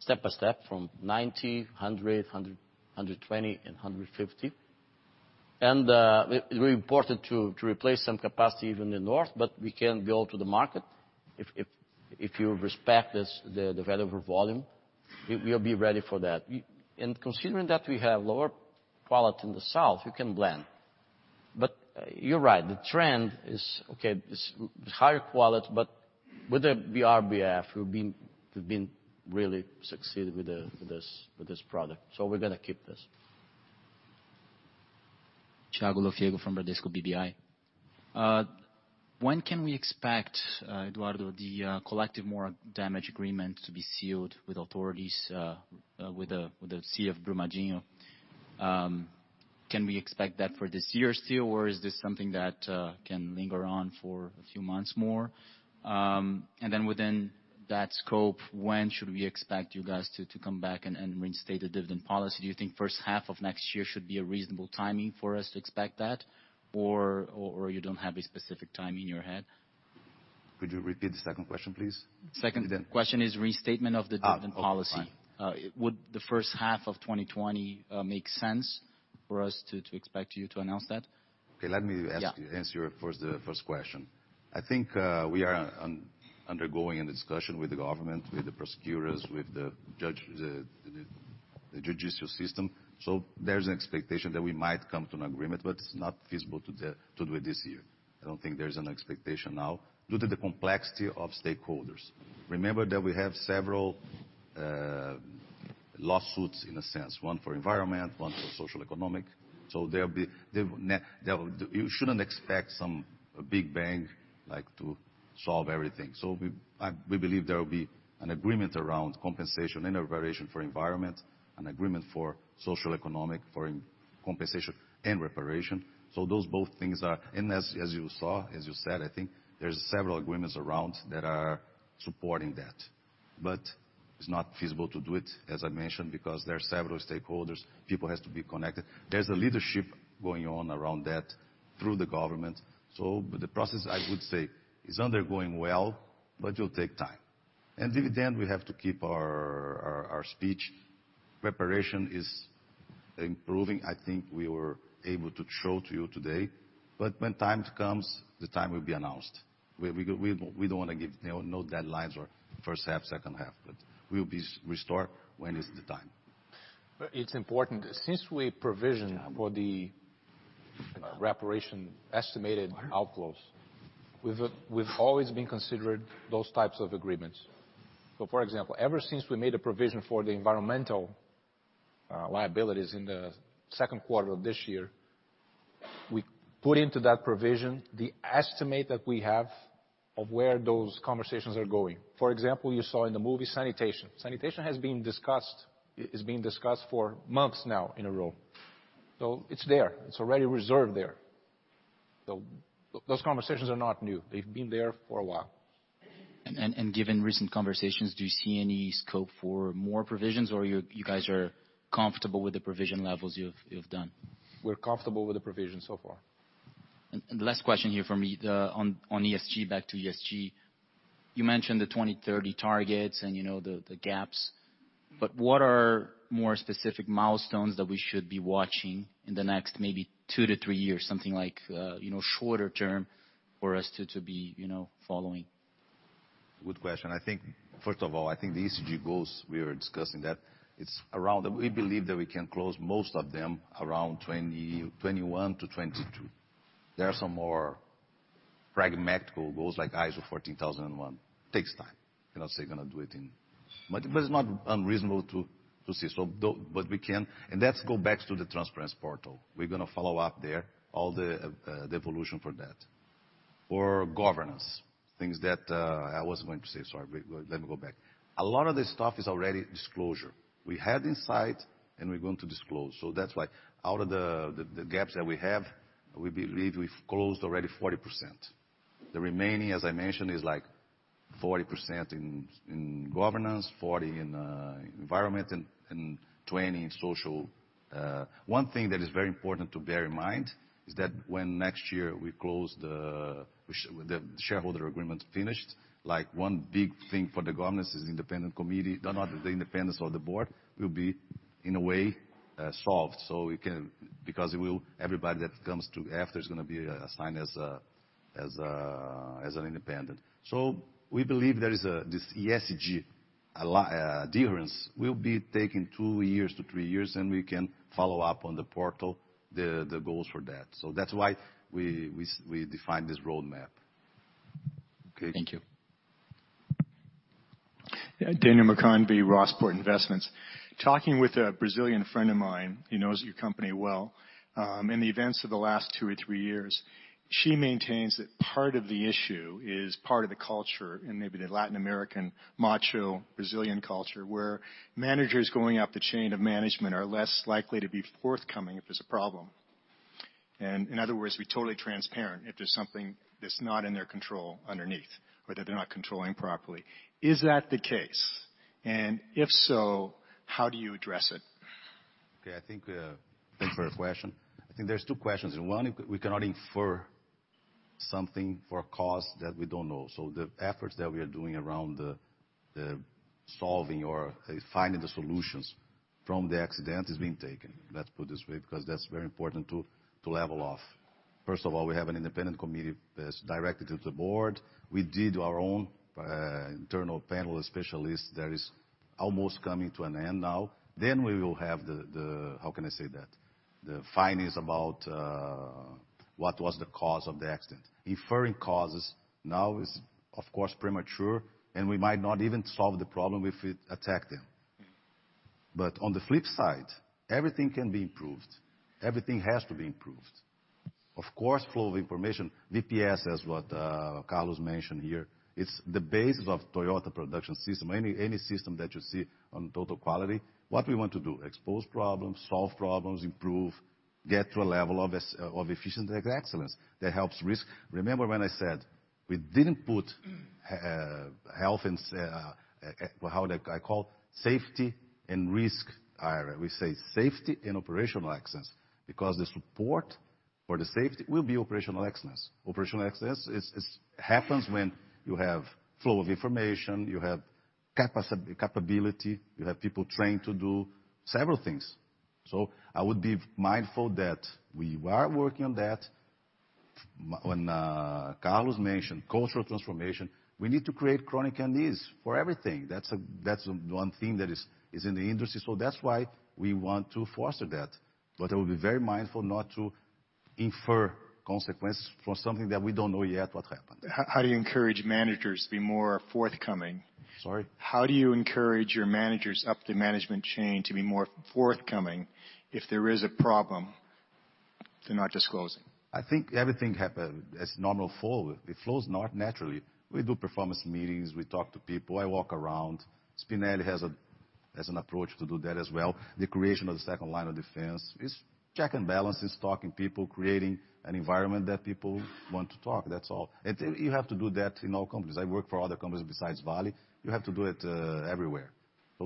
Step by step from 90, 100, 120 and 150. It's very important to replace some capacity even in north, we can go to the market. If you respect the available volume, we will be ready for that. Considering that we have lower quality in the south, you can blend. You're right, the trend is, okay, it's higher quality, with the BRBF, we've been really succeeding with this product. We're going to keep this. Thiago Lofiego from Bradesco BBI. When can we expect, Eduardo, the collective moral damage agreement to be sealed with authorities, with the CF Brumadinho? Can we expect that for this year still, or is this something that can linger on for a few months more? Then within that scope, when should we expect you guys to come back and reinstate a dividend policy? Do you think first half of next year should be a reasonable timing for us to expect that? You don't have a specific timing in your head? Could you repeat the second question, please? Second question is restatement of the dividend policy. Okay, fine. Would the first half of 2020 make sense for us to expect you to announce that? Okay. Yeah answer first the first question. I think we are undergoing a discussion with the government, with the prosecutors, with the judicial system. There's an expectation that we might come to an agreement, but it's not feasible to do it this year. I don't think there's an expectation now due to the complexity of stakeholders. Remember that we have several lawsuits, in a sense, one for environment, one for socioeconomic. You shouldn't expect some big bang to solve everything. We believe there will be an agreement around compensation and reparation for environment, an agreement for socioeconomic, for compensation and reparation. Those both things, and as you saw, as you said, I think there's several agreements around that are supporting that. It's not feasible to do it, as I mentioned, because there are several stakeholders. People has to be connected. There's a leadership going on around that through the government. The process, I would say, is undergoing well, but will take time. Dividend, we have to keep our speech. Preparation is improving. I think we were able to show to you today. When time comes, the time will be announced. We don't want to give no deadlines or first half, second half, but we'll restore when is the time. It's important. Since we provisioned for the reparation estimated outflows, we've always been considering those types of agreements. For example, ever since we made a provision for the environmental liabilities in the second quarter of this year, we put into that provision the estimate that we have of where those conversations are going. For example, you saw in the news sanitation. Sanitation has been discussed. It's been discussed for months now in a row. It's there. It's already reserved there. Those conversations are not new. They've been there for a while. Given recent conversations, do you see any scope for more provisions, or you guys are comfortable with the provision levels you've done? We're comfortable with the provisions so far. The last question here from me on ESG, back to ESG. You mentioned the 2030 targets and the gaps. What are more specific milestones that we should be watching in the next maybe 2-3 years? Something like shorter term for us to be following. Good question. First of all, I think the ESG goals we are discussing that, we believe that we can close most of them around 2021 to 2022. There are some more practical goals, like ISO 14001. Takes time. It's not unreasonable to see. That goes back to the transparency portal. We're going to follow up there all the evolution for that. Governance, things that I was going to say. Sorry, let me go back. A lot of this stuff is already disclosure. We had insight, and we're going to disclose. That's why out of the gaps that we have, we believe we've closed already 40%. The remaining, as I mentioned, is like 40% in governance, 40% in environment, and 20% in social. One thing that is very important to bear in mind is that when next year we close the shareholder agreement finished, like one big thing for the governance is independent committee, no the independence of the board will be, in a way, solved. Everybody that comes to after is going to be assigned as an independent. We believe there is this ESG difference will be taking two years to three years, and we can follow up on the portal, the goals for that. That's why we defined this roadmap. Okay. Thank you. Yeah. Daniel McConvey, Rossport Investments. Talking with a Brazilian friend of mine, who knows your company well, in the events of the last two or three years, she maintains that part of the issue is part of the culture and maybe the Latin American macho Brazilian culture, where managers going up the chain of management are less likely to be forthcoming if there's a problem. In other words, be totally transparent if there's something that's not in their control underneath or that they're not controlling properly. Is that the case? If so, how do you address it? Okay. Thanks for the question. I think there's two questions. One, we cannot infer something for a cause that we don't know. The efforts that we are doing around the solving or finding the solutions from the accident is being taken. Let's put it this way, because that's very important to level off. First of all, we have an independent committee that's directed to the board. We did our own internal panel of specialists that is almost coming to an end now. We will have the, how can I say that, the findings about what was the cause of the accident. Inferring causes now is, of course, premature, and we might not even solve the problem if we attack them. On the flip side, everything can be improved. Everything has to be improved. Of course, flow of information, VPS, as what Carlos mentioned here, it's the basis of Toyota Production System. Any system that you see on total quality, what we want to do? Expose problems, solve problems, improve, get to a level of efficient excellence that helps risk. Remember when I said we didn't put safety and risk area. We say safety and operational excellence, because the support for the safety will be operational excellence. Operational excellence happens when you have flow of information, you have capability, you have people trained to do several things. I would be mindful that we are working on that. When Carlos mentioned cultural transformation, we need to create chronic and ease for everything. That's one thing that is in the industry. That's why we want to foster that. I would be very mindful not to infer consequences for something that we don't know yet what happened. How do you encourage managers to be more forthcoming? Sorry? How do you encourage your managers up the management chain to be more forthcoming if there is a problem they're not disclosing? I think everything happens as normal flow. It flows naturally. We do performance meetings. We talk to people. I walk around. Spinelli has an approach to do that as well. The creation of the second line of defense. It's check and balances, talking to people, creating an environment that people want to talk, that's all. You have to do that in all companies. I work for other companies besides Vale. You have to do it everywhere.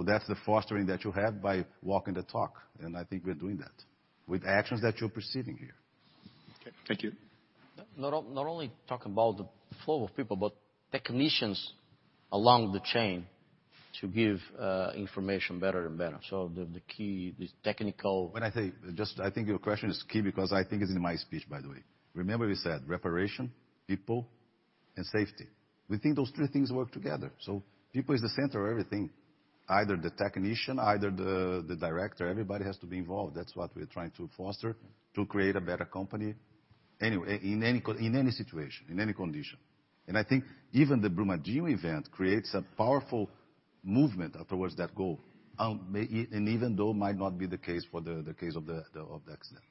That's the fostering that you have by walking the talk, and I think we're doing that with actions that you're perceiving here. Okay. Thank you. Not only talk about the flow of people, but technicians along the chain to give information better and better. I think your question is key because I think it's in my speech, by the way. Remember we said preparation, people, and safety. We think those three things work together. People is the center of everything. Either the technician, either the director, everybody has to be involved. That's what we're trying to foster to create a better company in any situation, in any condition. I think even the Brumadinho event creates a powerful movement towards that goal, and even though it might not be the case for the case of the accident.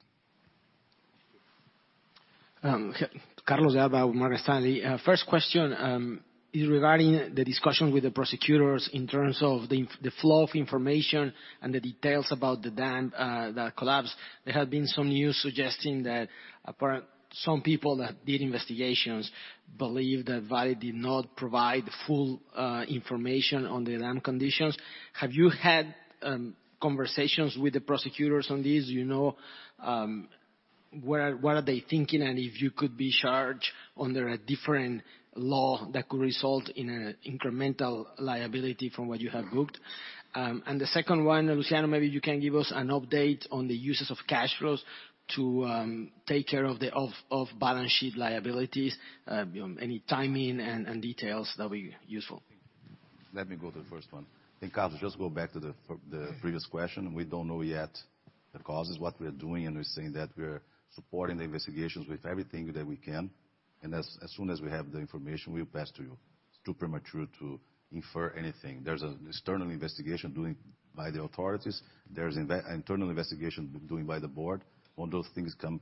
Carlos Alba with Morgan Stanley. First question is regarding the discussion with the prosecutors in terms of the flow of information and the details about the dam that collapsed. There had been some news suggesting that some people that did investigations believe that Vale did not provide full information on the dam conditions. Have you had conversations with the prosecutors on this? Do you know what are they thinking and if you could be charged under a different law that could result in an incremental liability from what you have booked? The second one, Luciano, maybe you can give us an update on the uses of cash flows to take care of the off-balance sheet liabilities. Any timing and details, that'll be useful. Let me go to the first one. Carlos, just go back to the previous question. We don't know yet the causes. What we are doing, and we're saying that we're supporting the investigations with everything that we can. As soon as we have the information, we'll pass to you. It's too premature to infer anything. There's an external investigation doing by the authorities. There's internal investigation doing by the board. When those things come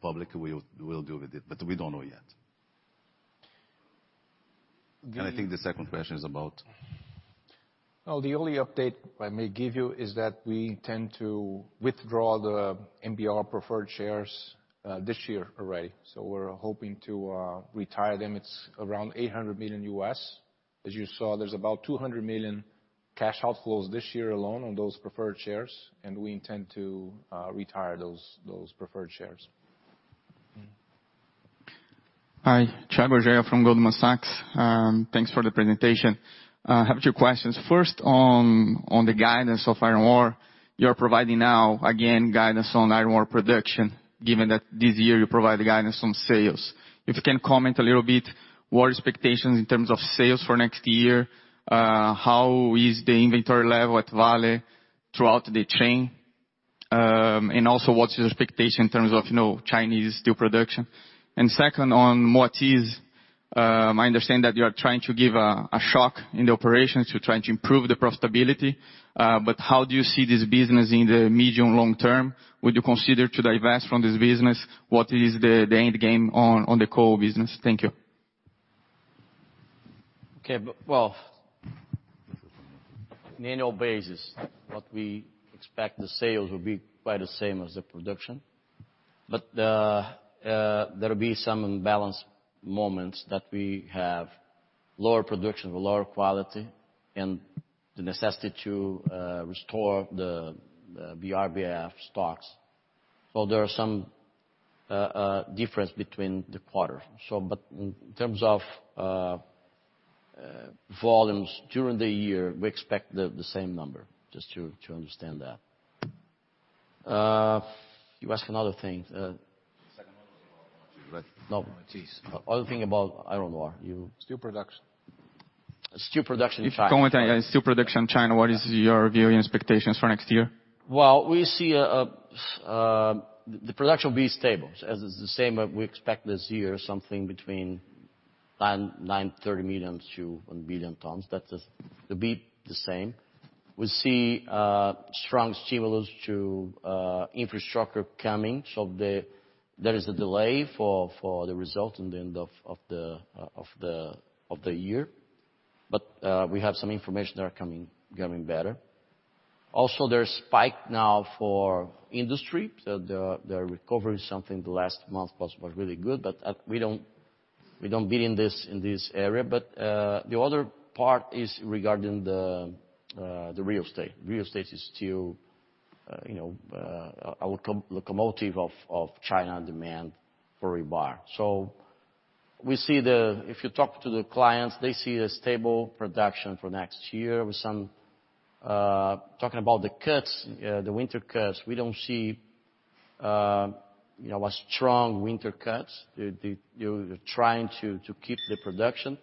public, we'll deal with it, but we don't know yet. I think the second question is about? The only update I may give you is that we tend to withdraw the MBR preferred shares this year already. We're hoping to retire them. It's around $800 million. As you saw, there's about $200 million cash outflows this year alone on those preferred shares, and we intend to retire those preferred shares. Hi. Chad Berger from Goldman Sachs. Thanks for the presentation. I have two questions. First, on the guidance of iron ore. You're providing now, again, guidance on iron ore production, given that this year you provide the guidance on sales. If you can comment a little bit what expectations in terms of sales for next year, how is the inventory level at Vale throughout the chain? Also, what's your expectation in terms of Chinese steel production? Second, on what is my understanding that you are trying to give a shock in the operations to try to improve the profitability. How do you see this business in the medium long term? Would you consider to divest from this business? What is the end game on the coal business? Thank you. Okay. Well, on an an annual basis, what we expect the sales will be quite the same as the production. There'll be some imbalance moments that we have lower production with lower quality and the necessity to restore the BRBF stocks. There are some difference between the quarter. In terms of volumes during the year, we expect the same number, just to understand that. You ask another thing. Second one was about steel. No. Other thing about iron ore. Steel production. Steel production in China. If you comment on steel production China, what is your view and expectations for next year? Well, we see the production will be stable, as is the same we expect this year, something between 930 million-1 billion tons. That's to be the same. We see a strong stimulus to infrastructure coming. There is a delay for the result in the end of the year. We have some information they are coming better. Also, there's spike now for industry. Their recovery is something the last month was really good. We don't build in this area. The other part is regarding the real estate. Real estate is still our locomotive of China demand for rebar. We see, if you talk to the clients, they see a stable production for next year. Talking about the winter cuts, we don't see a strong winter cuts. They're trying to keep the production.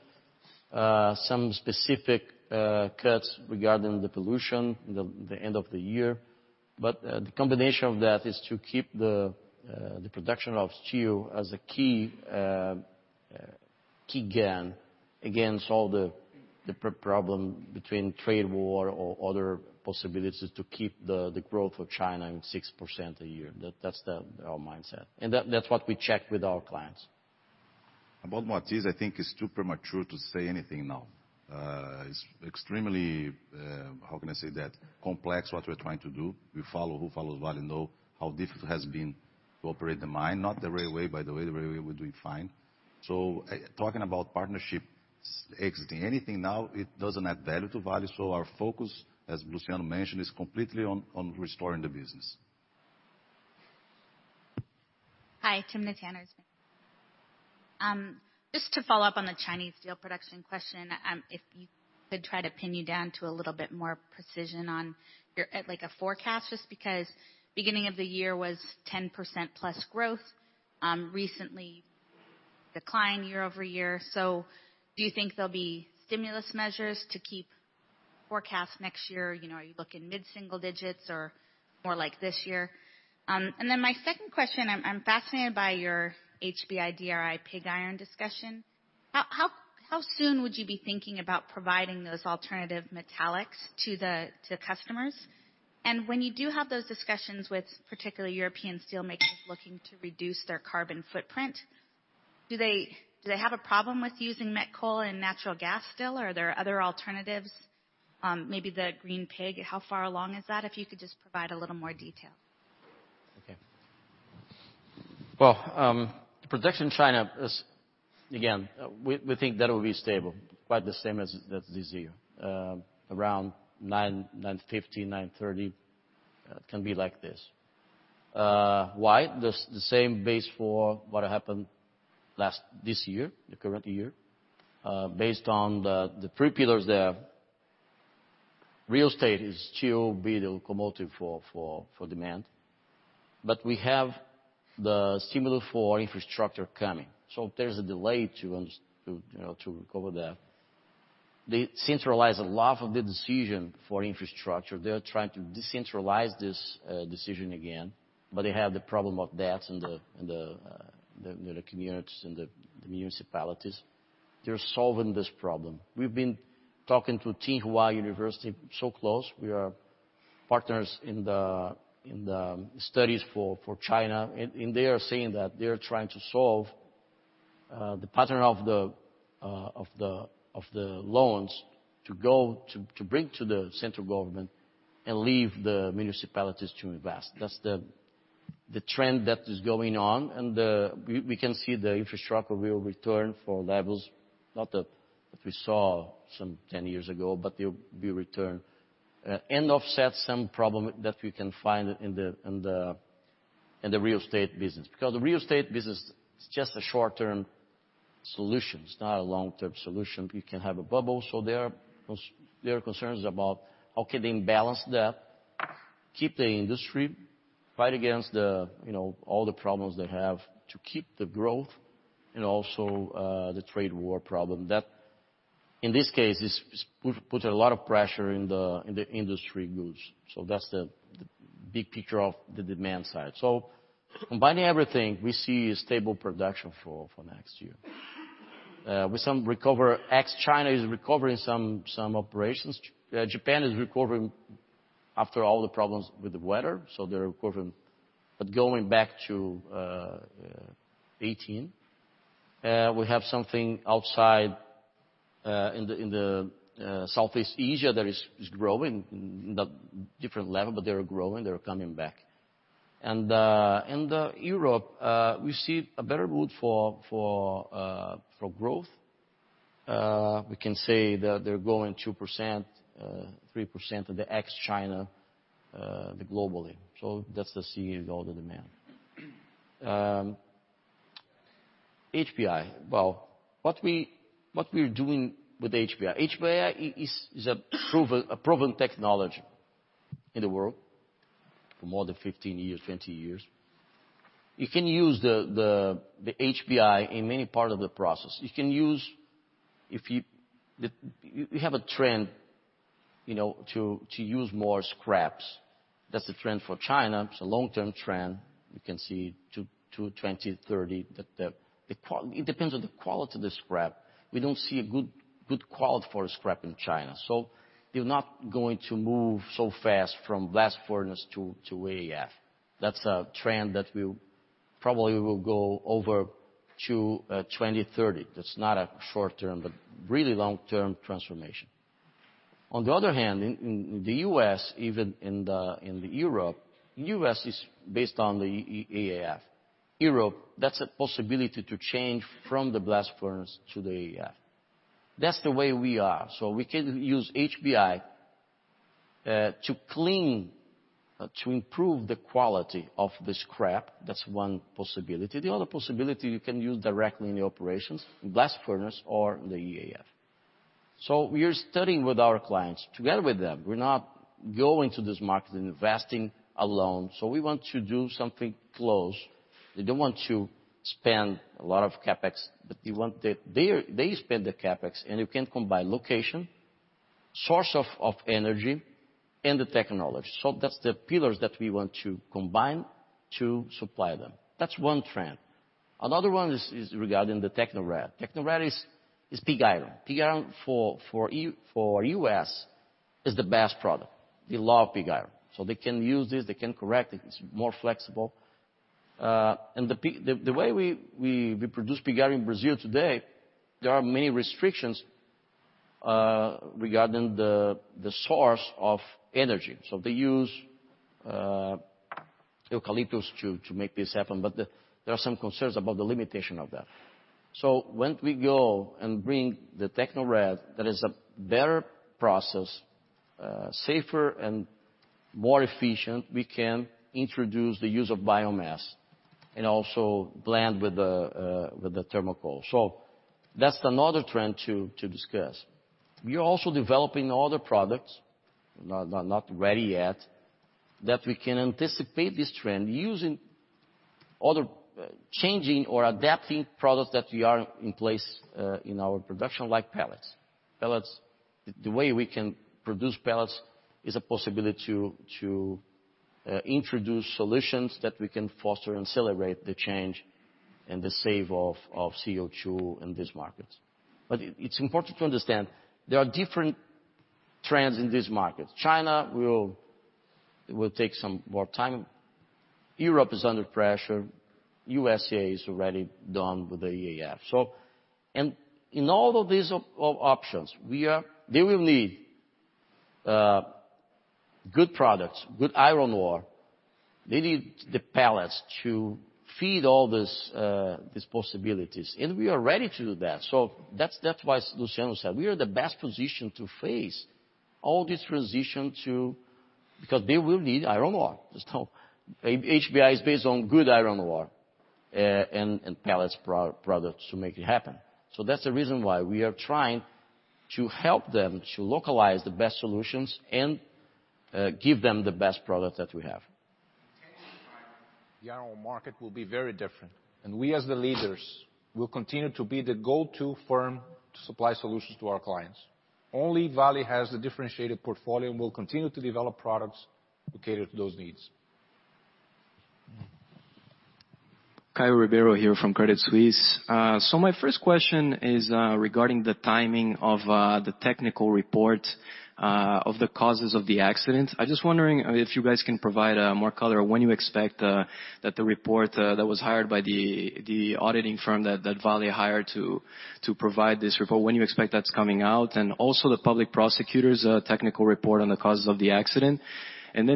Some specific cuts regarding the pollution in the end of the year. The combination of that is to keep the production of steel as a key gain against all the problem between trade, war, or other possibilities to keep the growth of China in 6% a year. That's our mindset. That's what we check with our clients. About Moatize, I think it's too premature to say anything now. It's extremely, how can I say that, complex what we're trying to do. Who follows Vale know how difficult it has been to operate the mine. Not the railway, by the way, the railway we're doing fine. Talking about partnerships exiting anything now, it doesn't add value to Vale. Our focus, as Luciano mentioned, is completely on restoring the business. Hi, Timna Tanners. Just to follow up on the Chinese steel production question. If we could try to pin you down to a little bit more precision on your, like a forecast, just because beginning of the year was 10% plus growth. Recently declined year-over-year. Do you think there'll be stimulus measures to keep forecast next year? Are you looking mid-single digits or more like this year? My second question, I'm fascinated by your HBI, DRI, pig iron discussion. How soon would you be thinking about providing those alternative metallics to customers? When you do have those discussions with, particularly European steel makers looking to reduce their carbon footprint, do they have a problem with using met coal and natural gas still? Are there other alternatives? Maybe the green pig. How far along is that? If you could just provide a little more detail. Well, production China is, again, we think that it will be stable, quite the same as this year, around 950, 930. It can be like this. Why? The same base for what happened this year, the current year, based on the three pillars there. Real estate is still the locomotive for demand. We have the stimulus for infrastructure coming. There's a delay to recover that. They centralize a lot of the decision for infrastructure. They're trying to decentralize this decision again, they had the problem of debts in the communities and the municipalities. They're solving this problem. We've been talking to Tsinghua University so close. We are partners in the studies for China. They are saying that they're trying to solve the pattern of the loans to bring to the central government and leave the municipalities to invest. That's the trend that is going on, and we can see the infrastructure will return for levels, not that we saw some 10 years ago, but they'll return. Offset some problem that we can find in the real estate business, because the real estate business is just a short-term solution. It's not a long-term solution. You can have a bubble. There are concerns about how can they balance that, keep the industry, fight against all the problems they have to keep the growth and also the trade war problem. That, in this case, puts a lot of pressure in the industry goods. That's the big picture of the demand side. Combining everything, we see a stable production for next year. With some recovery. Ex-China is recovering some operations. Japan is recovering after all the problems with the weather, so they're recovering. Going back to 2018, we have something outside in Southeast Asia that is growing in a different level, but they are growing, they are coming back. In Europe, we see a better route for growth. We can say that they're growing 2%, 3% of the ex-China globally. That's the CEO of the demand. HBI. Well, what we're doing with HBI. HBI is a proven technology in the world for more than 15 years, 20 years. You can use the HBI in many part of the process. You have a trend to use more scraps. That's the trend for China. It's a long-term trend. You can see to 2030 that it depends on the quality of the scrap. We don't see a good quality for the scrap in China. They're not going to move so fast from blast furnace to EAF. That's a trend that will probably will go over to 2030. That's not a short-term, but really long-term transformation. On the other hand, in the U.S. even in the Europe, U.S. is based on the EAF. Europe, that's a possibility to change from the blast furnace to the EAF. That's the way we are. We can use HBI to clean, to improve the quality of the scrap. That's one possibility. The other possibility, you can use directly in the operations, in blast furnace or the EAF. We are studying with our clients, together with them. We're not going to this market and investing alone. We want to do something close. They don't want to spend a lot of CapEx, but they spend the CapEx and you can combine location, source of energy and the technology. That's the pillars that we want to combine to supply them. That's one trend. Another one is regarding the Tecnored. Tecnored is pig iron. Pig iron for U.S. is the best product. They love pig iron. They can use this, they can correct it. It's more flexible. The way we produce pig iron in Brazil today, there are many restrictions regarding the source of energy. They use eucalyptus to make this happen, but there are some concerns about the limitation of that. When we go and bring the Tecnored, that is a better process, safer and more efficient, we can introduce the use of biomass and also blend with the thermal coal. That's another trend to discuss. We are also developing other products, not ready yet, that we can anticipate this trend using other changing or adapting products that we are in place, in our production, like pellets. Pellets, the way we can produce pellets is a possibility to introduce solutions that we can foster and celebrate the change and the save of CO2 in these markets. It's important to understand there are different trends in these markets. China will take some more time. Europe is under pressure. USA is already done with the EAF. In all of these options, they will need good products, good iron ore. They need the pellets to feed all these possibilities. We are ready to do that. That's why Luciano said we are the best position to face all this transition to, because they will need iron ore. There's no HBI is based on good iron ore, and pellets products to make it happen. That's the reason why we are trying to help them to localize the best solutions and give them the best product that we have. In 10 years time, the iron ore market will be very different, and we, as the leaders, will continue to be the go-to firm to supply solutions to our clients. Only Vale has the differentiated portfolio and will continue to develop products to cater to those needs. Caio Ribeiro here from Credit Suisse. My first question is regarding the timing of the technical report of the causes of the accident. I just wondering if you guys can provide more color when you expect that the report that was hired by the auditing firm that Vale hired to provide this report, when you expect that's coming out, and also the public prosecutor's technical report on the causes of the accident.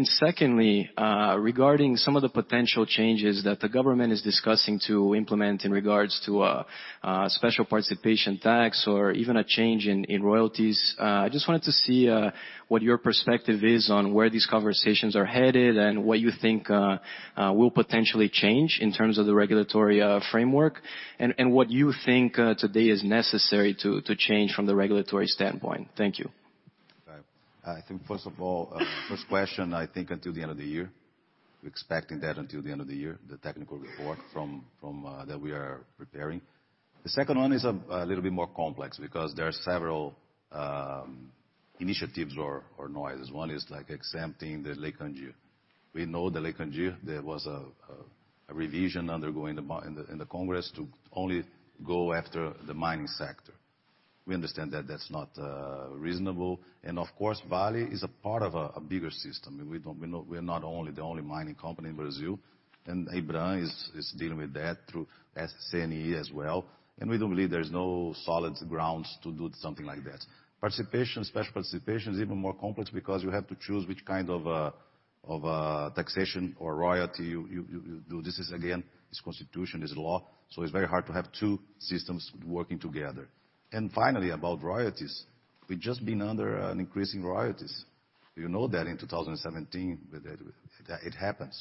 Secondly, regarding some of the potential changes that the government is discussing to implement in regards to a special participation tax or even a change in royalties. I just wanted to see what your perspective is on where these conversations are headed and what you think will potentially change in terms of the regulatory framework and what you think today is necessary to change from the regulatory standpoint. Thank you. Caio. I think first of all, first question, I think until the end of the year. We're expecting that until the end of the year, the technical report that we are preparing. The second one is a little bit more complex because there are several initiatives or noises. One is like exempting the Lei Kandir. We know the Lei Kandir, there was a revision undergoing in the Congress to only go after the mining sector. We understand that that's not reasonable. Of course, Vale is a part of a bigger system. We're not the only mining company in Brazil, Ibram is dealing with that through SCNE as well. We do believe there's no solid grounds to do something like that. Participation, special participation is even more complex because you have to choose which kind of taxation or royalty you do. This is again, it's constitution, it's law. It's very hard to have two systems working together. Finally, about royalties. We've just been under an increasing royalties. You know that in 2017 that it happened.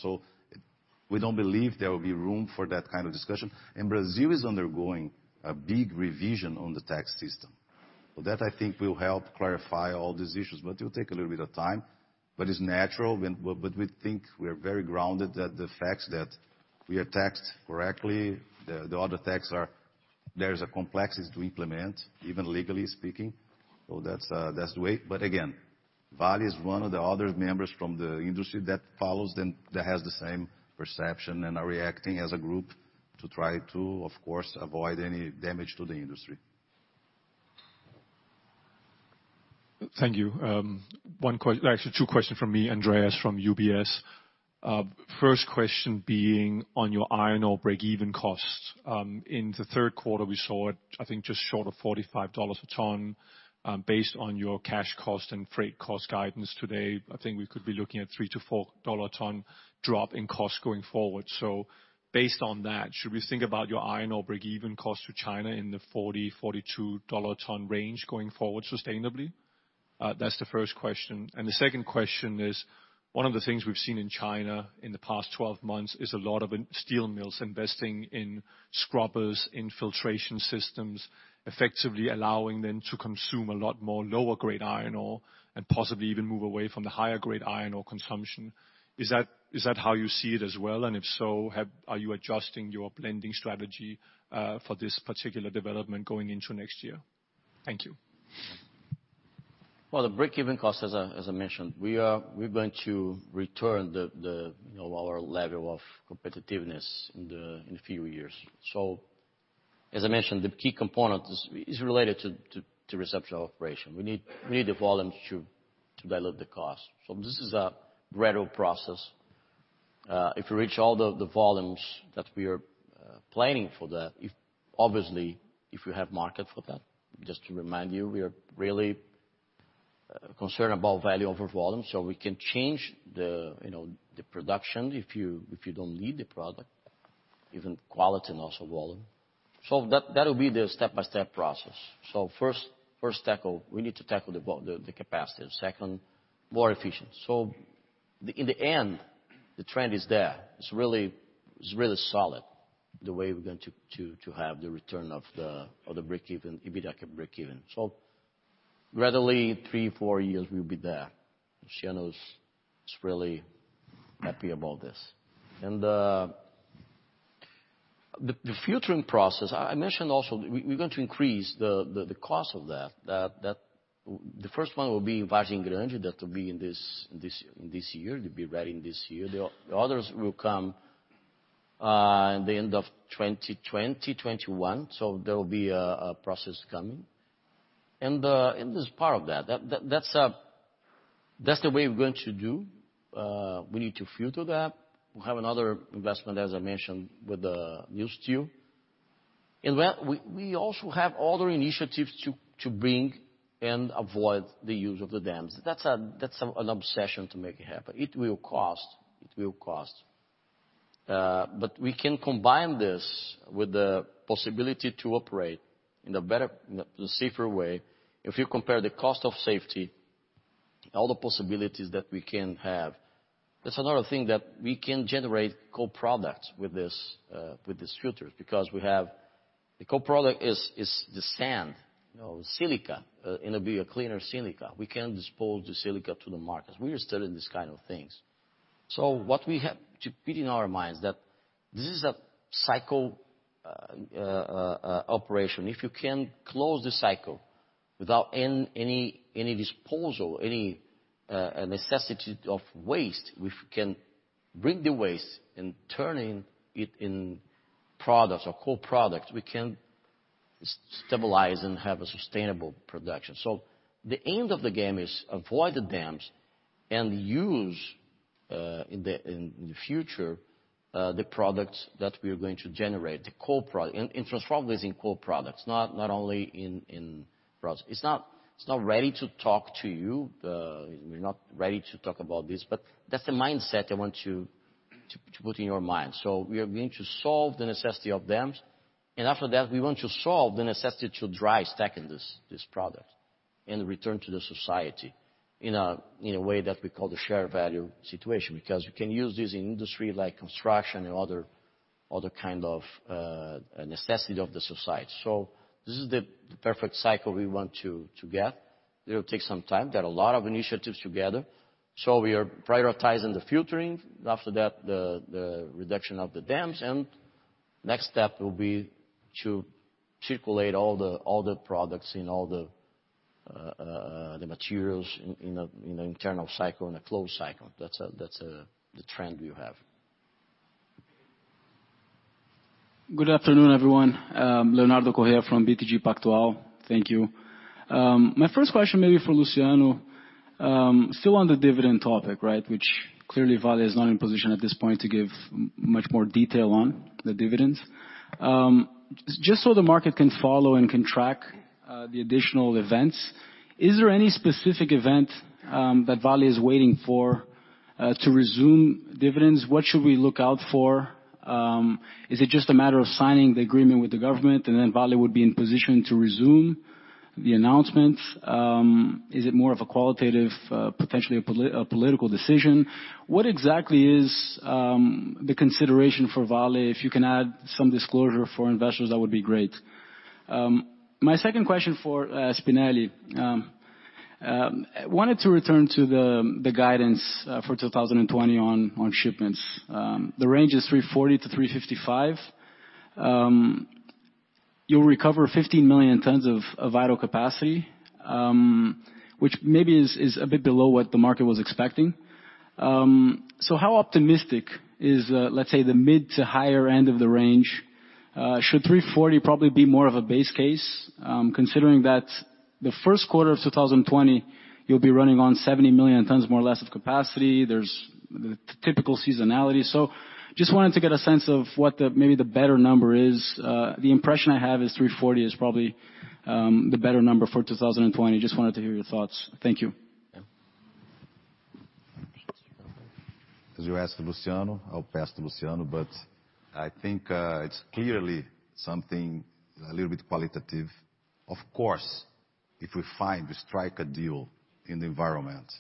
We don't believe there will be room for that kind of discussion. Brazil is undergoing a big revision on the tax system. That I think will help clarify all these issues, but it will take a little bit of time. It's natural. We think we're very grounded that the facts that we are taxed correctly, the other tax are complex to implement, even legally speaking. That's the way. Again, Vale is one of the other members from the industry that follows them, that has the same perception, and are reacting as a group to try to, of course, avoid any damage to the industry. Thank you. One question, actually two questions from me, Andreas from UBS. First question being on your iron ore break-even costs. In the third quarter, we saw it, I think just short of $45 a ton, based on your cash cost and freight cost guidance today, I think we could be looking at a $3-$4 a ton drop in cost going forward. Based on that, should we think about your iron ore break-even cost to China in the $40-$42 a ton range going forward sustainably? That's the first question. The second question is, one of the things we've seen in China in the past 12 months is a lot of steel mills investing in scrubbers, in filtration systems, effectively allowing them to consume a lot more lower grade iron ore and possibly even move away from the higher grade iron ore consumption. Is that how you see it as well? If so, are you adjusting your blending strategy for this particular development going into next year? Thank you. Well, the break-even cost as I mentioned, we're going to return our level of competitiveness in a few years. As I mentioned, the key component is related to reception operation. We need the volumes to develop the cost. This is a gradual process. If we reach all the volumes that we are planning for that, obviously, if we have market for that, just to remind you, we are really concerned about value over volume, so we can change the production if you don't need the product, even quality and also volume. That'll be the step-by-step process. First tackle, we need to tackle the capacity. Second, more efficient. In the end, the trend is there. It's really solid the way we're going to have the return of the EBITDA break-even. Gradually, three, four years we'll be there. Luciano's really happy about this. The filtering process, I mentioned also, we're going to increase the cost of that. The first one will be Vargem Grande that will be in this year, to be ready this year. The others will come in the end of 2020, 2021. There will be a process coming. This is part of that. That's the way we're going to do. We need to future that. We have another investment, as I mentioned, with the New Steel. We also have other initiatives to bring and avoid the use of the dams. That's an obsession to make it happen. It will cost. We can combine this with the possibility to operate in a better, safer way. If you compare the cost of safety, all the possibilities that we can have. That's another thing that we can generate co-products with these fines because the co-product is the sand, silica, and it'll be a cleaner silica. We can dispose the silica to the markets. We are studying these kind of things. What we have to put in our minds that this is a cycle operation. If you can close the cycle without any disposal, any necessity of waste, we can bring the waste and turning it in products or co-products. We can stabilize and have a sustainable production. The end of the game is avoid the dams and use, in the future, the products that we are going to generate, the co-product. Transform this in co-products, not only in products. We're not ready to talk about this, but that's the mindset I want to put in your mind. We are going to solve the necessity of dams, and after that, we want to solve the necessity to dry stacking this product and return to the society in a way that we call the share value situation. We can use this in industry like construction and other kind of necessity of the society. This is the perfect cycle we want to get. It'll take some time. There are a lot of initiatives together. We are prioritizing the futuring. After that, the reduction of the dams and next step will be to circulate all the products and all the materials in the internal cycle, in a closed cycle. That's the trend we have. Good afternoon, everyone. Leonardo Correa from BTG Pactual. Thank you. My first question maybe for Luciano, still on the dividend topic, right? Which clearly Vale is not in position at this point to give much more detail on the dividends. Just so the market can follow and can track the additional events. Is there any specific event that Vale is waiting for to resume dividends? What should we look out for? Is it just a matter of signing the agreement with the government and then Vale would be in position to resume the announcements? Is it more of a qualitative, potentially a political decision? What exactly is the consideration for Vale? If you can add some disclosure for investors, that would be great. My second question for Spinelli, I wanted to return to the guidance for 2020 on shipments. The range is 340-355. You'll recover 15 million tonnes of vital capacity, which maybe is a bit below what the market was expecting. How optimistic is, let's say, the mid to higher end of the range? Should 340 probably be more of a base case, considering that the first quarter of 2020 you'll be running on 70 million tonnes, more or less, of capacity. There's the typical seasonality. Just wanted to get a sense of what maybe the better number is. The impression I have is 340 is probably the better number for 2020. Just wanted to hear your thoughts. Thank you. As you asked Luciano, I'll pass to Luciano. I think it's clearly something a little bit qualitative. Of course, if we find, we strike a deal in the environment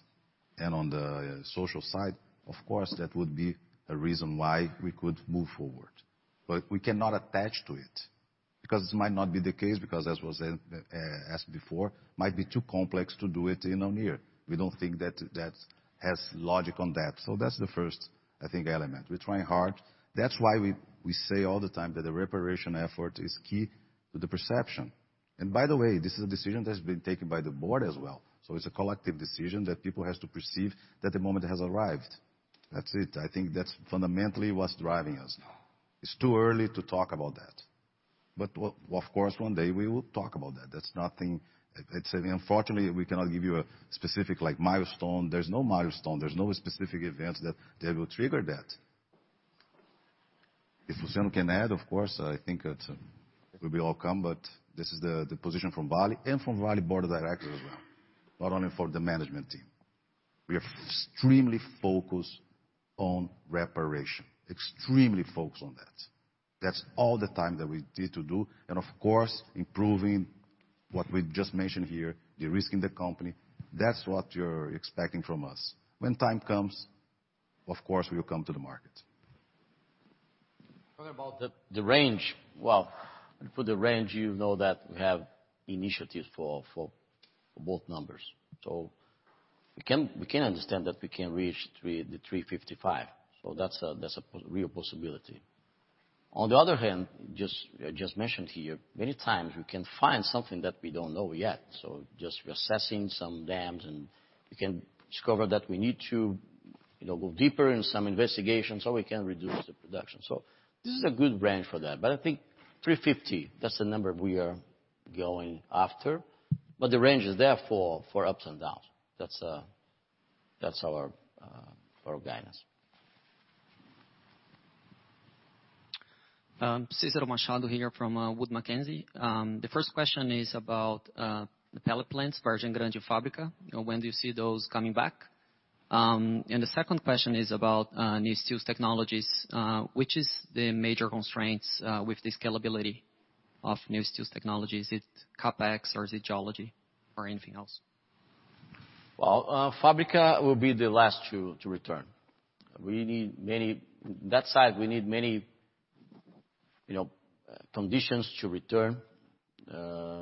and on the social side, of course, that would be a reason why we could move forward. We cannot attach to it because this might not be the case, because as was asked before, might be too complex to do it in one year. We don't think that has logic on that. That's the first, I think, element. We're trying hard. That's why we say all the time that the reparation effort is key to the perception. By the way, this is a decision that's been taken by the board as well. It's a collective decision that people have to perceive that the moment has arrived. That's it. I think that's fundamentally what's driving us. It's too early to talk about that. Of course, one day we will talk about that. Unfortunately, we cannot give you a specific milestone. There's no milestone, there's no specific events that will trigger that. If Luciano can add, of course, I think that we'll all come, but this is the position from Vale and from Vale board of directors as well, not only for the management team. We are extremely focused on reparation. Extremely focused on that. That's all the time that we need to do. Of course, improving what we've just mentioned here, de-risking the company. That's what you're expecting from us. When time comes, of course, we will come to the market. Talking about the range. For the range, you know that we have initiatives for both numbers. We can understand that we can reach the 355. That's a real possibility. On the other hand, I just mentioned here, many times we can find something that we don't know yet. Just reassessing some dams, and we can discover that we need to go deeper in some investigations so we can reduce the production. This is a good range for that. I think 350, that's the number we are going after. The range is there for ups and downs. That's our guidance. Cicero Machado here from Wood Mackenzie. The first question is about the pellet plants, Vargem Grande and Fábrica. When do you see those coming back? The second question is about new steel technologies. Which is the major constraints with the scalability of new steel technologies? Is it CapEx or is it geology or anything else? Fábrica will be the last to return. That site, we need many conditions to return.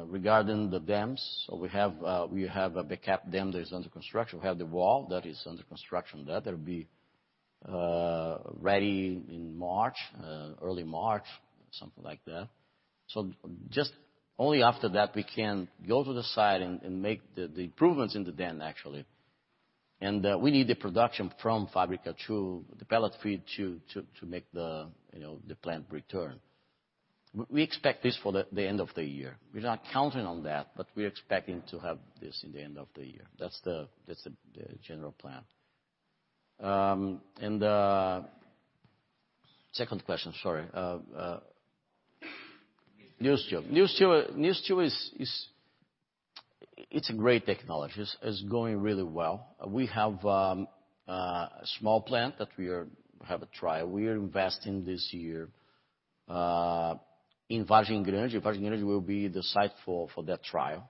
Regarding the dams, we have a backup dam that is under construction. We have the wall that is under construction there. That'll be ready in March, early March, something like that. Just only after that we can go to the site and make the improvements in the dam, actually. We need the production from Fábrica to the pellet feed to make the plant return. We expect this for the end of the year. We're not counting on that, but we're expecting to have this in the end of the year. That's the general plan. The second question, sorry. New Steel. New Steel, it's a great technology. It's going really well. We have a small plant that we have a trial. We are investing this year in Vargem Grande. Vargem Grande will be the site for that trial.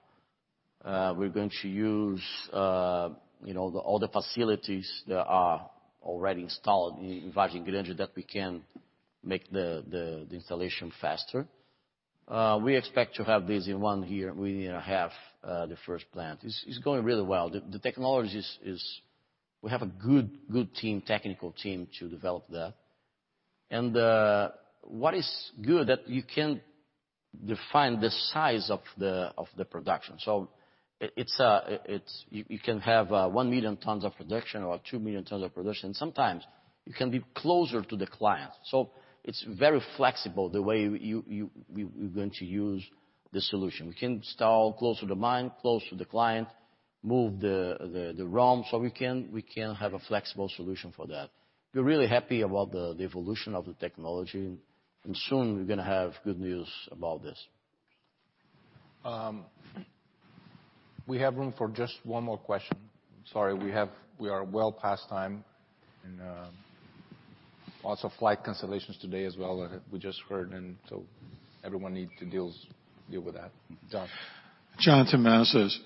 We're going to use all the facilities that are already installed in Vargem Grande that we can make the installation faster. We expect to have this in one year, 1.5, the first plant. It's going really well. The technology. We have a good technical team to develop that. What is good that you can define the size of the production. You can have one million tonnes of production or two million tonnes of production. Sometimes you can be closer to the client. It's very flexible the way we're going to use the solution. We can install close to the mine, close to the client, move the ROM. We can have a flexible solution for that. We're really happy about the evolution of the technology, and soon we're going to have good news about this. We have room for just one more question. Sorry, we are well past time and lots of flight cancellations today as well we just heard, and so everyone need to deal with that. John. John Tumazos.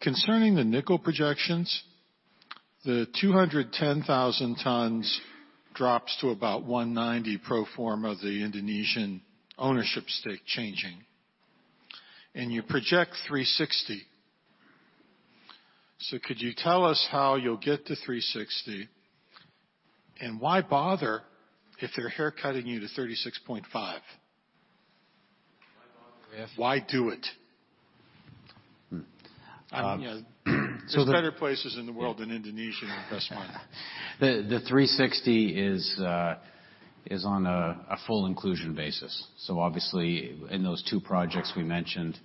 Concerning the nickel projections, the 210,000 tonnes drops to about 190 proforma of the Indonesian ownership stake changing, and you project 360. Could you tell us how you'll get to 360? Why bother if they're haircutting you to 36.5? Why bother, yeah. Why do it? So the- There's better places in the world than Indonesia to invest money. The 360 is on a full inclusion basis. Obviously in those two projects we mentioned,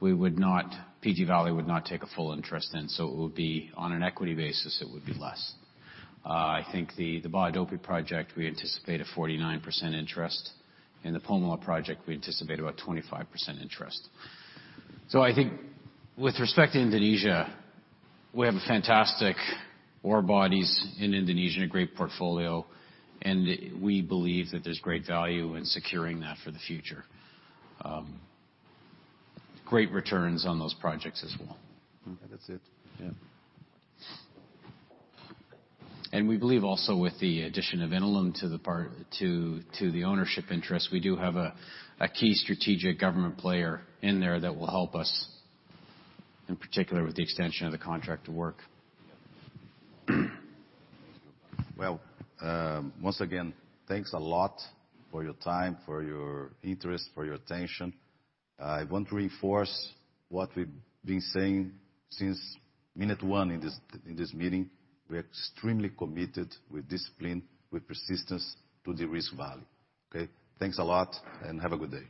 PT Vale would not take a full interest in. It would be on an equity basis, it would be less. I think the Bahodopi project, we anticipate a 49% interest. In the Pomalaa project, we anticipate about 25% interest. I think with respect to Indonesia, we have fantastic ore bodies in Indonesia and a great portfolio, and we believe that there's great value in securing that for the future. Great returns on those projects as well. That's it. Yeah. We believe also with the addition of Inalum to the ownership interest, we do have a key strategic government player in there that will help us, in particular with the extension of the contract of work. Well, once again, thanks a lot for your time, for your interest, for your attention. I want to reinforce what we've been saying since minute one in this meeting. We're extremely committed with discipline, with persistence to de-risk Vale. Okay? Thanks a lot. Have a good day.